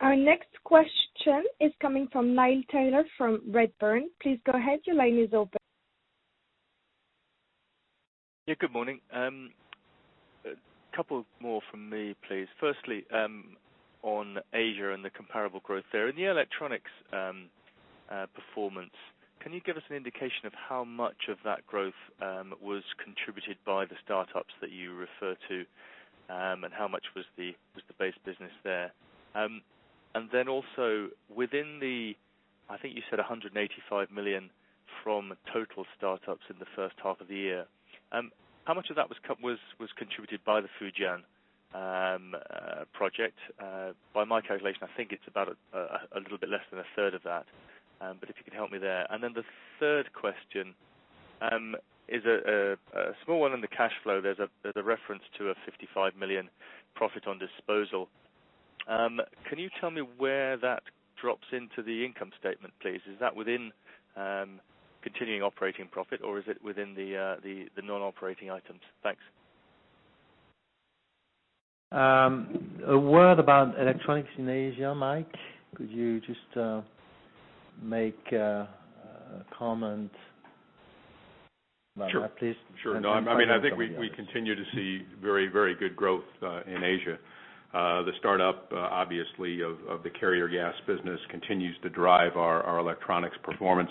Our next question is coming from Neil Tyler from Redburn. Please go ahead. Your line is open. Good morning. A couple more from me, please. Firstly, on Asia and the comparable growth there. In the Electronics performance, can you give us an indication of how much of that growth was contributed by the startups that you refer to, and how much was the base business there? Also within the, I think you said 185 million from total startups in the first half of the year. How much of that was contributed by the Fujian project? By my calculation, I think it's about a little bit less than 1/3 of that. If you could help me there. The third question is a small one on the cash flow. There's a reference to a 55 million profit on disposal. Can you tell me where that drops into the income statement, please? Is that within continuing operating profit or is it within the non-operating items? Thanks. A word about electronics in Asia, Mike, could you just make a comment? At least. I think we continue to see very good growth in Asia. The startup, obviously, of the carrier gas business continues to drive our electronics performance.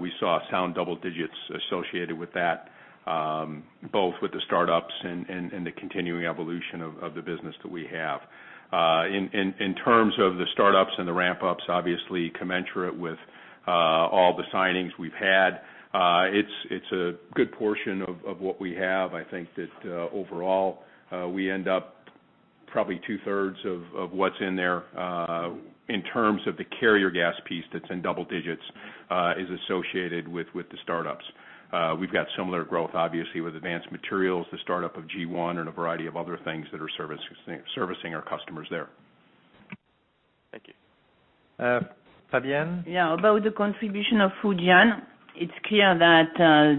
We saw sound double digits associated with that, both with the startups and the continuing evolution of the business that we have. In terms of the startups and the ramp ups, obviously commensurate with all the signings we've had, it's a good portion of what we have. I think that overall, we end up. Probably 2/3 of what's in there, in terms of the carrier gas piece that's in double digits, is associated with the startups. We've got similar growth, obviously, with Advanced Materials, the startup of G1 and a variety of other things that are servicing our customers there. Thank you. Fabienne? About the contribution of Fujian, it's clear that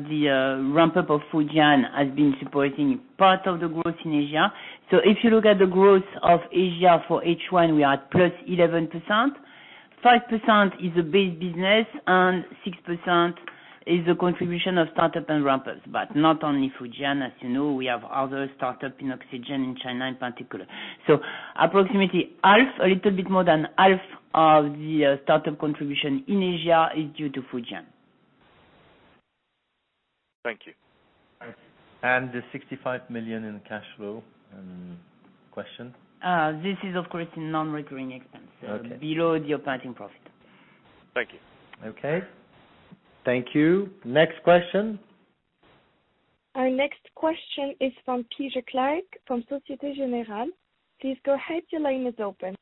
the ramp-up of Fujian has been supporting part of the growth in Asia. If you look at the growth of Asia for H1, we are at +11%. 5% is the base business, and 6% is the contribution of startup and ramp-ups. Not only Fujian, as you know, we have other startup in oxygen, in China in particular. Approximately half, a little bit more than half of the startup contribution in Asia is due to Fujian. Thank you. The 65 million in cash flow, question? This is, of course, a non-recurring expense. Below the operating profit. Thank you. Thank you. Next question. Our next question is from Peter Clark from Société Générale. Please go ahead, your line is open.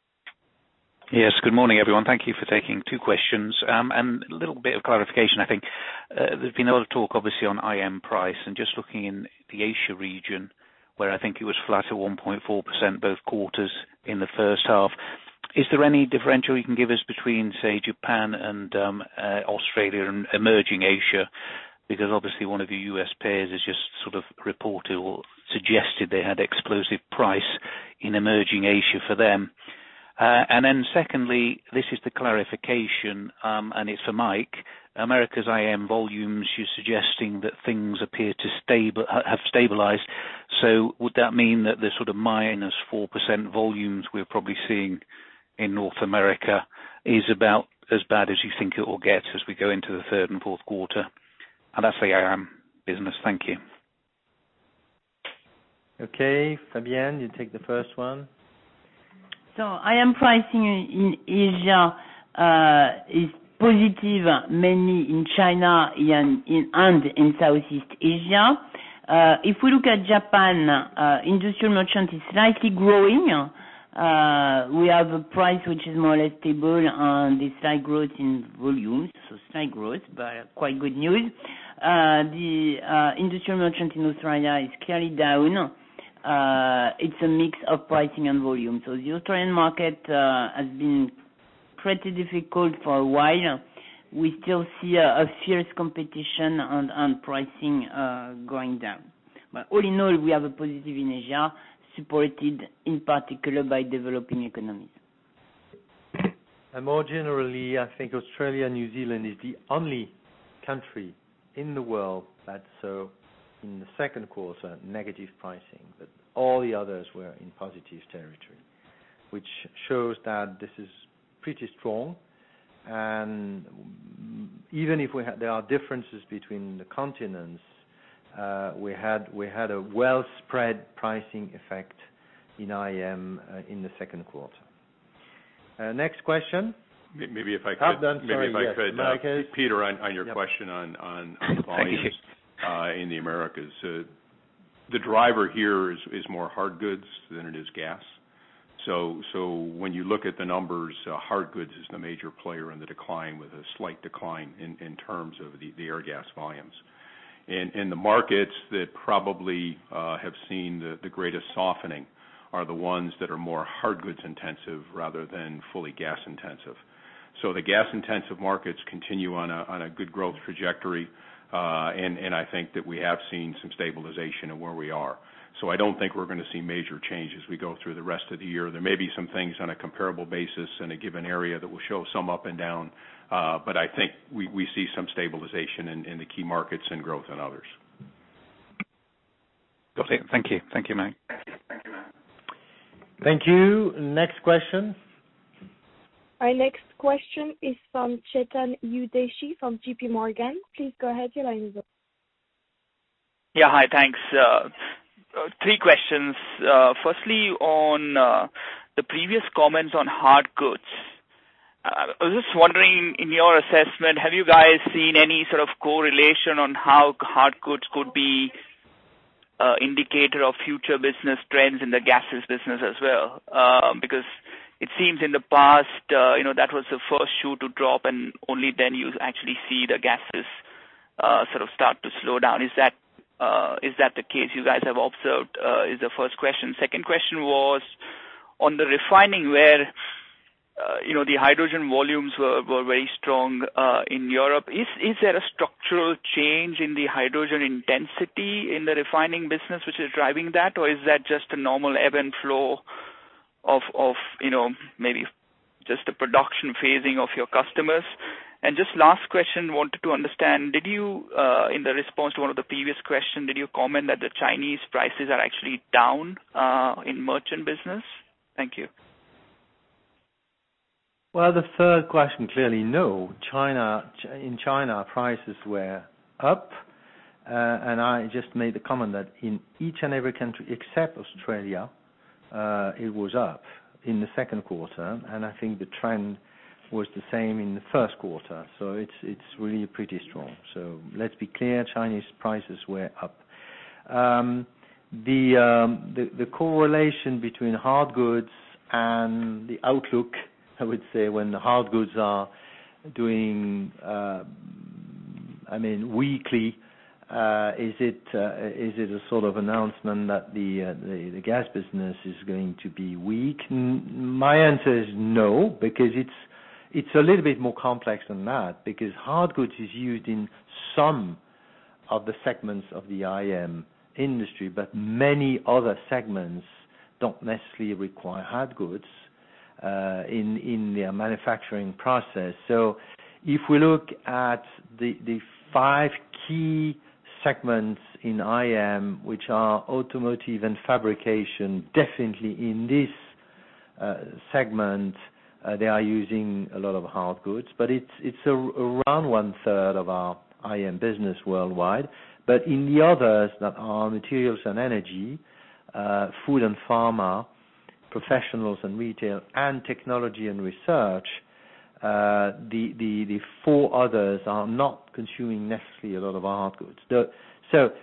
Good morning, everyone. Thank you for taking two questions. A little bit of clarification, I think. There's been a lot of talk, obviously, on IM price and just looking in the Asia region where I think it was flat at 1.4% both quarters in the first half. Is there any differential you can give us between, say, Japan and Australia and emerging Asia? Because obviously one of your U.S. peers has just sort of reported or suggested they had explosive price in emerging Asia for them. Secondly, this is the clarification, and it's for Mike. America's IM volumes, you're suggesting that things appear to have stabilized, so would that mean that the sort of -4% volumes we're probably seeing in North America is about as bad as you think it will get as we go into the third and fourth quarter? That's the IM business. Thank you. Fabienne, you take the first one. IM pricing in Asia is positive mainly in China and in Southeast Asia. We look at Japan, industrial merchant is slightly growing. We have a price which is more or less stable on the slight growth in volumes. Slight growth, but quite good news. The industrial merchant in Australia is clearly down. It's a mix of pricing and volume. The Australian market has been pretty difficult for a while. We still see a fierce competition and pricing going down. All in all, we have a positive in Asia, supported in particular by developing economies. More generally, I think Australia and New Zealand is the only country in the world that show, in the second quarter, negative pricing, that all the others were in positive territory, which shows that this is pretty strong. Even if there are differences between the continents, we had a well-spread pricing effect in IM in the second quarter. Next question. Maybe if I could. Oh, Dan. Sorry, yes. Maybe if I could. Peter, on your question volumes in the Americas. The driver here is more hard goods than it is gas. When you look at the numbers, hard goods is the major player in the decline, with a slight decline in terms of the Airgas volumes. In the markets that probably have seen the greatest softening are the ones that are more hard goods intensive rather than fully gas intensive. The gas-intensive markets continue on a good growth trajectory. I think that we have seen some stabilization in where we are. I don't think we're going to see major change as we go through the rest of the year. There may be some things on a comparable basis in a given area that will show some up and down. I think we see some stabilization in the key markets and growth in others. Thank you. Thank you, Mike. Thank you. Next question. Our next question is from Chetan Udeshi from JP Morgan. Please go ahead, your line is open. Hi, thanks. Three questions. Firstly, on the previous comments on hard goods. I was just wondering, in your assessment, have you guys seen any sort of correlation on how hard goods could be indicator of future business trends in the gases business as well? It seems in the past, that was the first shoe to drop and only then you actually see the gases sort of start to slow down. Is that the case you guys have observed? Is the first question. Second question was on the refining where the hydrogen volumes were very strong in Europe? Is there a structural change in the hydrogen intensity in the refining business which is driving that, or is that just a normal ebb and flow of maybe just the production phasing of your customers? Just last question, wanted to understand, in the response to one of the previous question, did you comment that the Chinese prices are actually down in merchant business? Thank you. Well, the third question, clearly no. In China, prices were up. I just made the comment that in each and every country except Australia, it was up in the second quarter. I think the trend was the same in the first quarter. It's really pretty strong. Let's be clear, Chinese prices were up. The correlation between hard goods and the outlook, I would say, when the hard goods are doing weakly, is it a sort of announcement that the gas business is going to be weak? My answer is no, because it's a little bit more complex than that, because hard goods is used in some of the segments of the IM industry, but many other segments don't necessarily require hard goods in their manufacturing process. If we look at the five key segments in IM, which are automotive and fabrication, definitely in this segment, they are using a lot of hard goods. It's around one-third of our IM business worldwide. In the others that are materials and energy, food and pharma, professionals and retail, and technology and research, the four others are not consuming necessarily a lot of hard goods.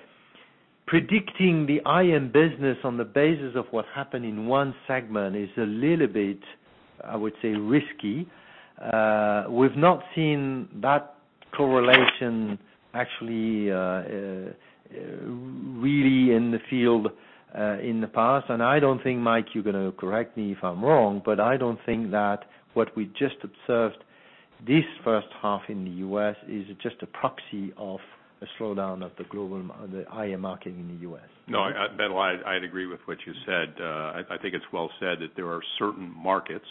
Predicting the IM business on the basis of what happened in one segment is a little bit, I would say, risky. We've not seen that correlation actually really in the field in the past, and I don't think, Mike, you're going to correct me if I'm wrong, but I don't think that what we just observed this first half in the U.S. is just a proxy of a slowdown of the IM market in the U.S. No, Benoît, I'd agree with what you said. I think it's well said that there are certain markets,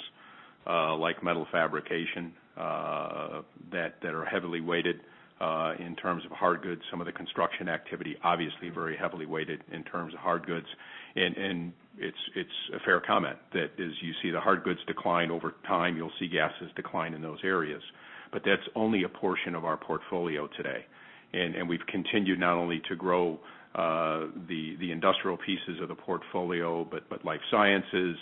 like metal fabrication, that are heavily weighted in terms of hard goods. Some of the construction activity, obviously very heavily weighted in terms of hard goods. It's a fair comment that as you see the hard goods decline over time, you'll see gases decline in those areas. That's only a portion of our portfolio today. We've continued not only to grow the industrial pieces of the portfolio, but life sciences,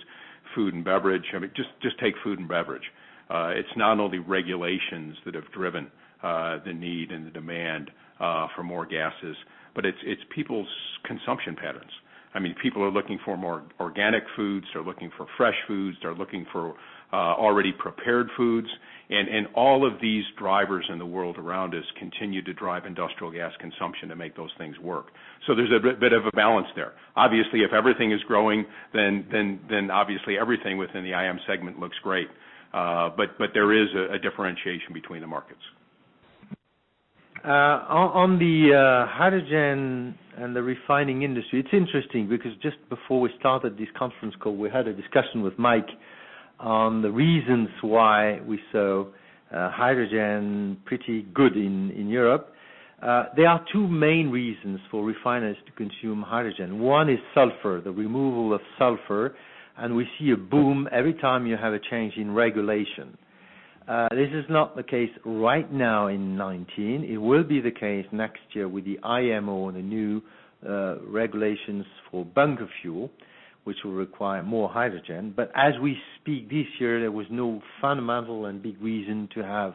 food and beverage. I mean, just take food and beverage. It's not only regulations that have driven the need and the demand for more gases, but it's people's consumption patterns. I mean, people are looking for more organic foods, they're looking for fresh foods, they're looking for already prepared foods. All of these drivers in the world around us continue to drive industrial gas consumption to make those things work. There's a bit of a balance there. Obviously, if everything is growing, then obviously everything within the IM segment looks great. There is a differentiation between the markets. On the hydrogen and the refining industry, it's interesting because just before we started this conference call, we had a discussion with Mike on the reasons why we saw hydrogen pretty good in Europe. There are two main reasons for refiners to consume hydrogen. One is sulfur, the removal of sulfur, and we see a boom every time you have a change in regulation. This is not the case right now in 2019. It will be the case next year with the IMO and the new regulations for bunker fuel, which will require more hydrogen. As we speak this year, there was no fundamental and big reason to have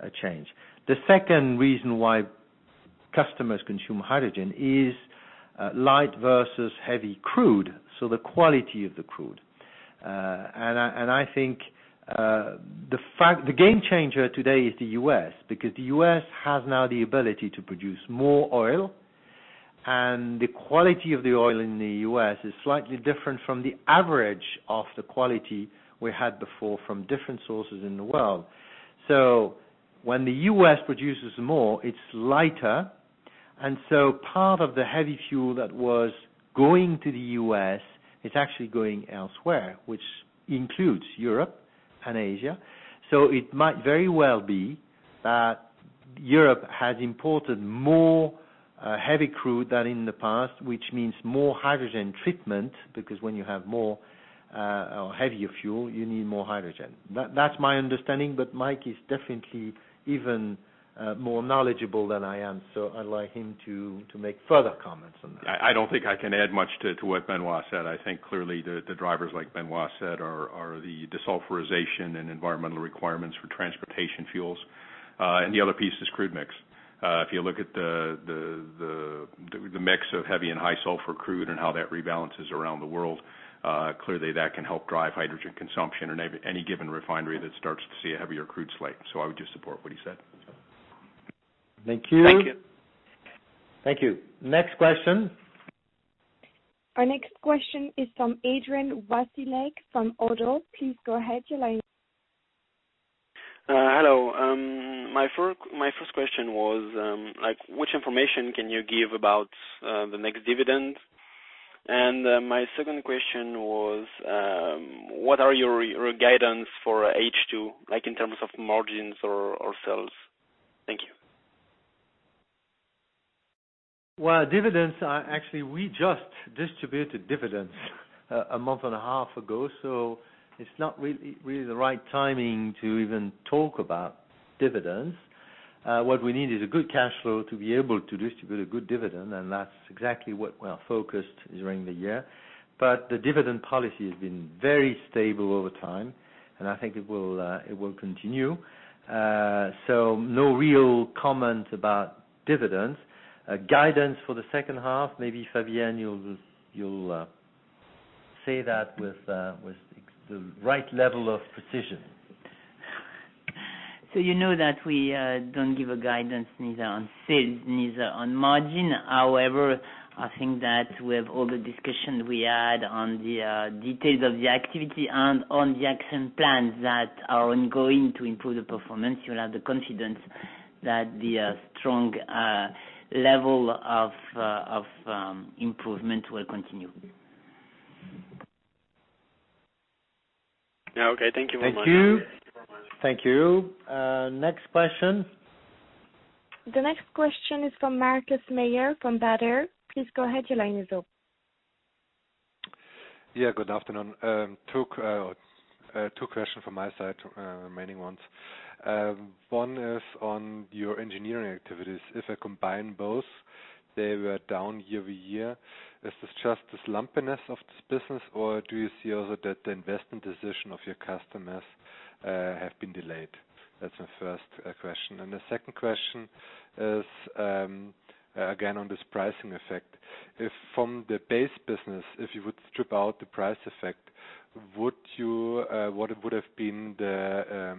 a change. The second reason why customers consume hydrogen is light versus heavy crude, so the quality of the crude. I think the game changer today is the U.S. because the U.S. has now the ability to produce more oil, and the quality of the oil in the U.S. is slightly different from the average of the quality we had before from different sources in the world. When the U.S. produces more, it's lighter, and part of the heavy fuel that was going to the U.S. is actually going elsewhere, which includes Europe and Asia. It might very well be that Europe has imported more heavy crude than in the past, which means more hydrogen treatment, because when you have heavier fuel, you need more hydrogen. That's my understanding, but Mike is definitely even more knowledgeable than I am, so I'd like him to make further comments on that. I don't think I can add much to what Benoît said. I think clearly the drivers, like Benoît said, are the desulfurization and environmental requirements for transportation fuels. The other piece is crude mix. If you look at the mix of heavy and high sulfur crude and how that rebalances around the world, clearly that can help drive hydrogen consumption in any given refinery that starts to see a heavier crude slate. I would just support what he said. Thank you. Thank you. Thank you. Next question. Our next question is from Adrien Wasylec from Oddo. Please go ahead. Your line- Hello. My first question was, which information can you give about the next dividend? My second question was, what are your guidance for H2, like in terms of margins or sales? Thank you. Well, we just distributed dividends a month and a half ago. It's not really the right timing to even talk about dividends. What we need is a good cash flow to be able to distribute a good dividend. That's exactly what we are focused during the year. The dividend policy has been very stable over time. I think it will continue. No real comment about dividends. Guidance for the second half, maybe Fabienne, you'll say that with the right level of precision. You know that we don't give a guidance neither on sales, neither on margin. However, I think that with all the discussion we had on the details of the activity and on the action plans that are ongoing to improve the performance, you'll have the confidence that the strong level of improvement will continue. Thank you very much. Thank you. Next question. The next question is from Markus Mayer from Baader. Please go ahead. Your line is open. Good afternoon. Two question from my side, remaining ones. One is on your engineering activities. If I combine both, they were down year-over-year. Is this just this lumpiness of this business, or do you see also that the investment decision of your customers have been delayed? That's my first question. The second question is, again, on this pricing effect. If from the base business, if you would strip out the price effect, what would have been the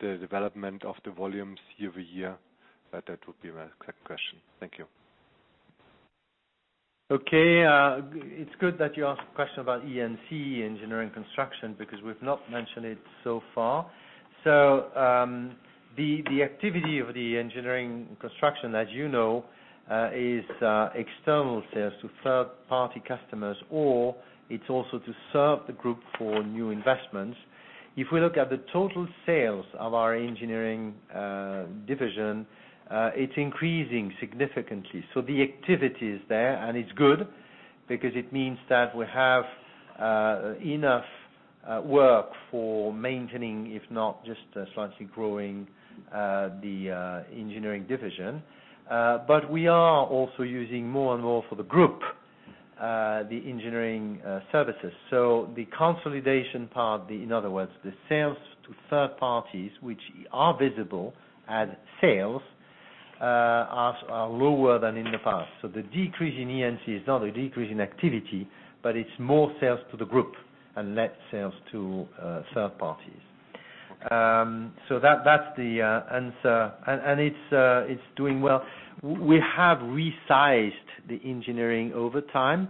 development of the volumes year-over-year? That would be my second question. Thank you. It's good that you ask a question about E&C, Engineering Construction, because we've not mentioned it so far. The activity of the engineering construction, as you know is external sales to third-party customers, or it's also to serve the group for new investments. If we look at the total sales of our engineering division, it's increasing significantly. The activity is there, and it's good because it means that we have enough work for maintaining, if not just slightly growing the engineering division. We are also using more and more for the group, the engineering services. The consolidation part, in other words, the sales to third parties, which are visible as sales, are lower than in the past. The decrease in E&C is not a decrease in activity, but it's more sales to the group and less sales to third parties. That's the answer. It's doing well. We have resized the engineering over time.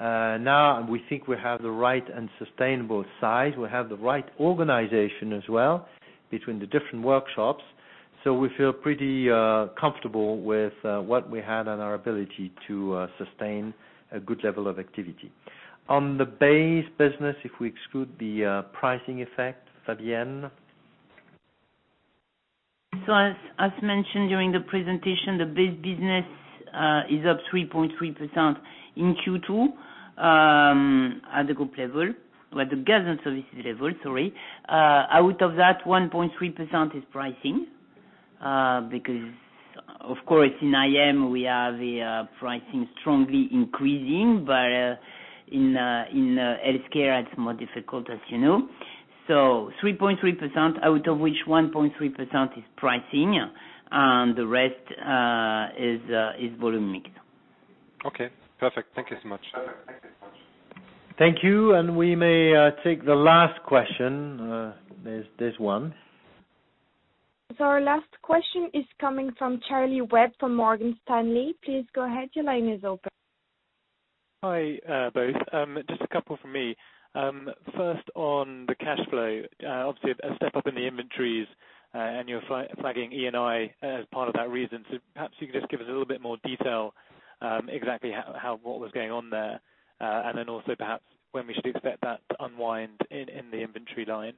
Now, we think we have the right and sustainable size. We have the right organization as well between the different workshops. We feel pretty comfortable with what we had and our ability to sustain a good level of activity. On the base business, if we exclude the pricing effect, Fabienne? As mentioned during the presentation, the base business is up 3.3% in Q2 at the group level, but the Gas & Services level, sorry. Out of that, 1.3% is pricing. Of course, in IM, we have the pricing strongly increasing, but in healthcare, it's more difficult, as you know. 3.3%, out of which 1.3% is pricing, and the rest is volume mix. Perfect. Thank you so much. Thank you. We may take the last question. There's this one. Our last question is coming from Charlie Webb from Morgan Stanley. Please go ahead. Your line is open. Hi, both. Just a couple from me. First, on the cash flow, obviously a step up in the inventories, and you're flagging E&I as part of that reason. Perhaps you can just give us a little bit more detail, exactly what was going on there. Also perhaps when we should expect that to unwind in the inventory line?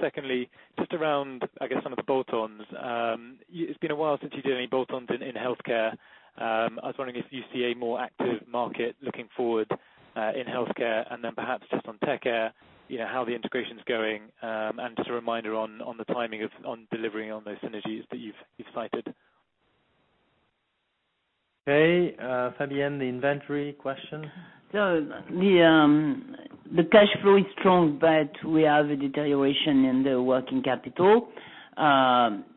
Secondly, just around, I guess some of the bolt-ons. It's been a while since you did any bolt-ons in healthcare. I was wondering if you see a more active market looking forward, in healthcare, and then perhaps just on Tech Air, how the integration's going, and just a reminder on the timing of on delivering on those synergies that you've cited? Fabienne, the inventory question. The cash flow is strong, but we have a deterioration in the working capital.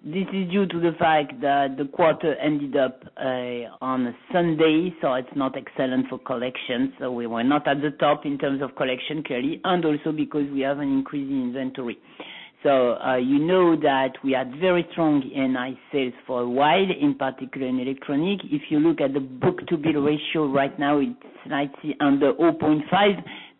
This is due to the fact that the quarter ended up on a Sunday, so it's not excellent for collection. We were not at the top in terms of collection, clearly, and also because we have an increase in inventory. You know that we had very strong E&I sales for a while, in particular in Electronics. If you look at the book-to-bill ratio right now, it's slightly under 0.5,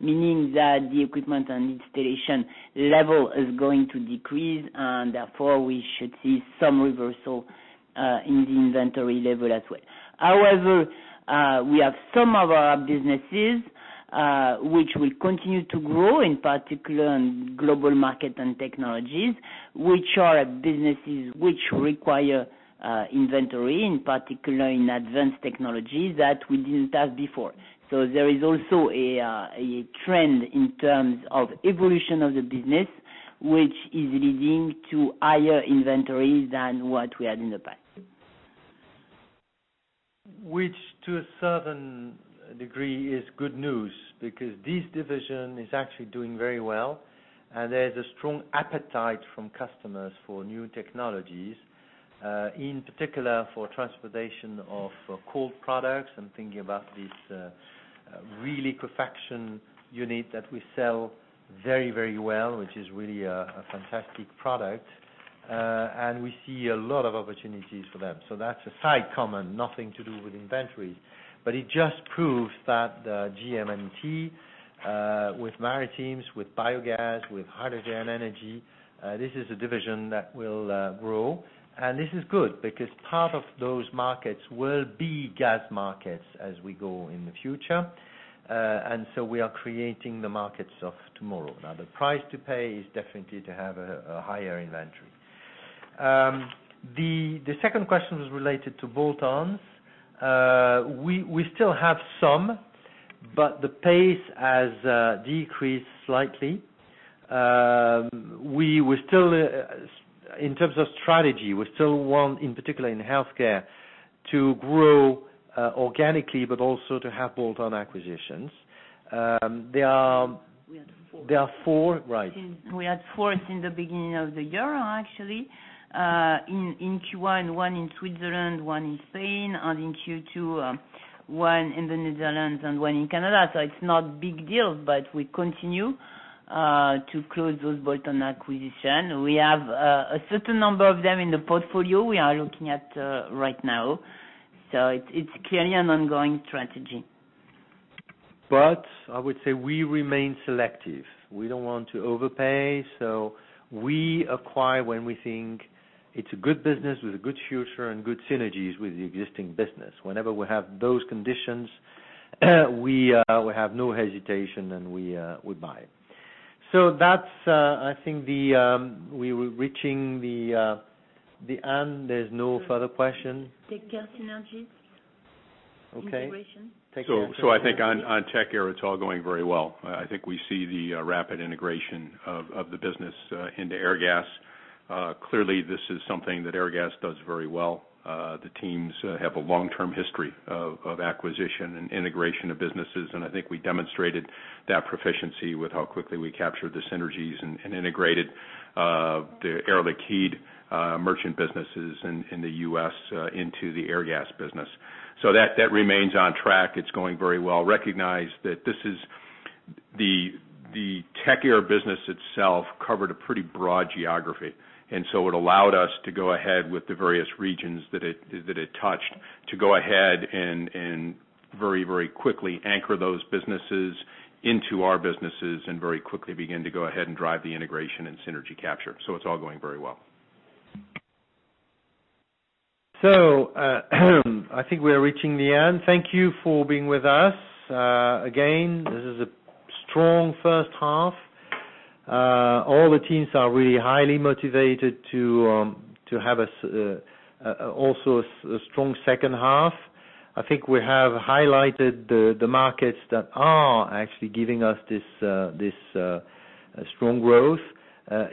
meaning that the equipment and installation level is going to decrease, and therefore we should see some reversal in the inventory level as well. However, we have some of our businesses which will continue to grow, in particular in Global Markets & Technologies, which are businesses which require inventory, in particular in advanced technologies that we didn't have before. There is also a trend in terms of evolution of the business, which is leading to higher inventories than what we had in the past. Which to a certain degree is good news because this division is actually doing very well, and there's a strong appetite from customers for new technologies. In particular for transportation of cold products. I'm thinking about this really production unit that we sell very well, which is really a fantastic product, and we see a lot of opportunities for them. That's a side comment, nothing to do with inventory, but it just proves that GM&T, with maritimes, with biogas, with hydrogen energy, this is a division that will grow. This is good because part of those markets will be gas markets as we go in the future. We are creating the markets of tomorrow. The price to pay is definitely to have a higher inventory. The second question was related to bolt-ons. We still have some, but the pace has decreased slightly. In terms of strategy, we still want, in particular in healthcare, to grow organically, but also to have bolt-on acquisitions. There are four, right. We had four since the beginning of the year, actually. In Q1, one in Switzerland, one in Spain, and in Q2, one in the Netherlands and one in Canada. It's not big deal, but we continue to close those bolt-on acquisition. We have a certain number of them in the portfolio we are looking at right now. It's clearly an ongoing strategy. I would say we remain selective. We don't want to overpay. We acquire when we think it's a good business with a good future and good synergies with the existing business. Whenever we have those conditions, we have no hesitation and we buy. That's, I think, we were reaching the end. There's no further question. Tech Air synergies. Okay. Integration. I think on Tech Air, it's all going very well. I think we see the rapid integration of the business into Airgas. Clearly, this is something that Airgas does very well. The teams have a long-term history of acquisition and integration of businesses, and I think we demonstrated that proficiency with how quickly we captured the synergies and integrated the Air Liquide merchant businesses in the U.S. into the Airgas business. That remains on track. It's going very well. Recognize that this is the Tech Air business itself covered a pretty broad geography, it allowed us to go ahead with the various regions that it touched to go ahead and very quickly anchor those businesses into our businesses and very quickly begin to go ahead and drive the integration and synergy capture. It's all going very well. I think we are reaching the end. Thank you for being with us. Again, this is a strong first half. All the teams are really highly motivated to have also a strong second half. I think we have highlighted the markets that are actually giving us this strong growth,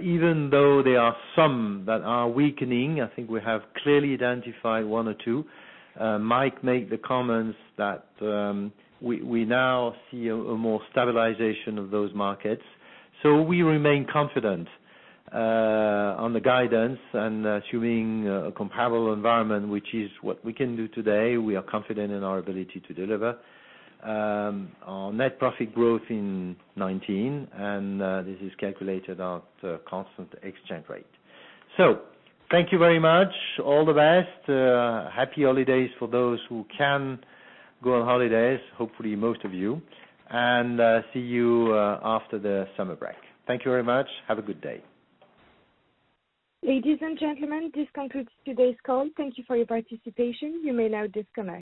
even though there are some that are weakening. I think we have clearly identified one or two. Mike made the comments that we now see a more stabilization of those markets. We remain confident on the guidance and assuming a comparable environment, which is what we can do today, we are confident in our ability to deliver our net profit growth in 2019, and this is calculated at a constant exchange rate. Thank you very much. All the best. Happy holidays for those who can go on holidays, hopefully, most of you. See you after the summer break. Thank you very much. Have a good day. Ladies and gentlemen, this concludes today's call. Thank you for your participation. You may now disconnect.